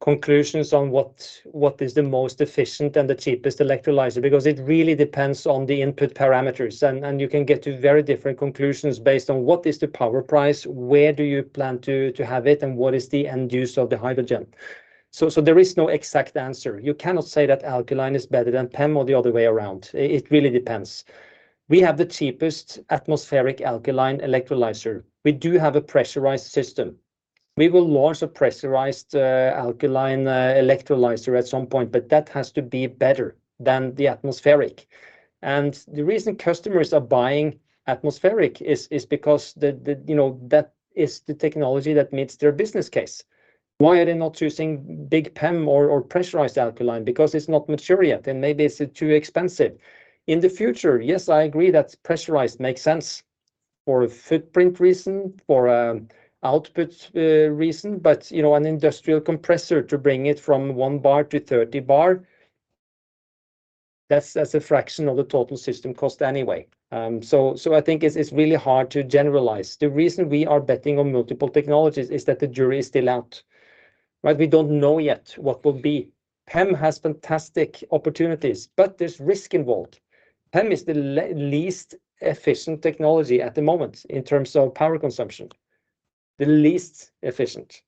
conclusions on what is the most efficient and the cheapest electrolyser, because it really depends on the input parameters, and you can get to very different conclusions based on what is the power price, where do you plan to have it, and what is the end use of the hydrogen. So there is no exact answer. You cannot say that alkaline is better than PEM or the other way around. It really depends. We have the cheapest atmospheric alkaline electrolyser. We do have a pressurized system. We will launch a pressurized alkaline electrolyser at some point, but that has to be better than the atmospheric. The reason customers are buying atmospheric is because, you know, that is the technology that meets their business case. Why are they not using big PEM or pressurized alkaline? Because it's not mature yet and maybe it's too expensive. In the future, yes, I agree that pressurized makes sense for a footprint reason, for a output reason, but, you know, an industrial compressor to bring it from 1 bar to 30 bar, that's a fraction of the total system cost anyway. So I think it's really hard to generalize. The reason we are betting on multiple technologies is that the jury is still out. Right? We don't know yet what will be. PEM has fantastic opportunities, but there's risk involved. PEM is the least efficient technology at the moment in terms of power consumption. The least efficient.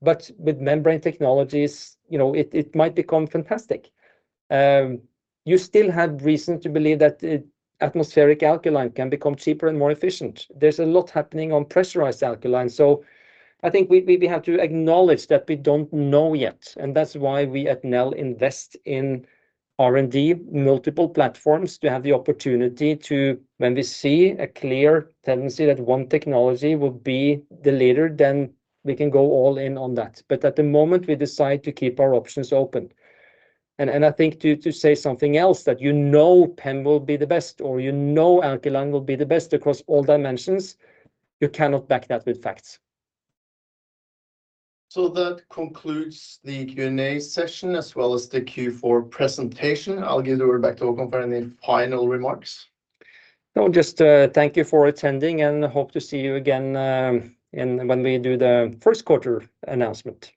But with membrane technologies, you know, it might become fantastic. You still have reason to believe that the atmospheric alkaline can become cheaper and more efficient. There's a lot happening on pressurized alkaline. I think we have to acknowledge that we don't know yet, and that's why we at Nel invest in R&D, multiple platforms to have the opportunity to, when we see a clear tendency that one technology will be the leader, then we can go all in on that. At the moment, we decide to keep our options open. And I think to say something else that you know PEM will be the best or you know alkaline will be the best across all dimensions, you cannot back that with facts. That concludes the Q&A session as well as the Q4 presentation. I'll give it back to Håkon for any final remarks. Just, thank you for attending and hope to see you again, when we do the first quarter announcement.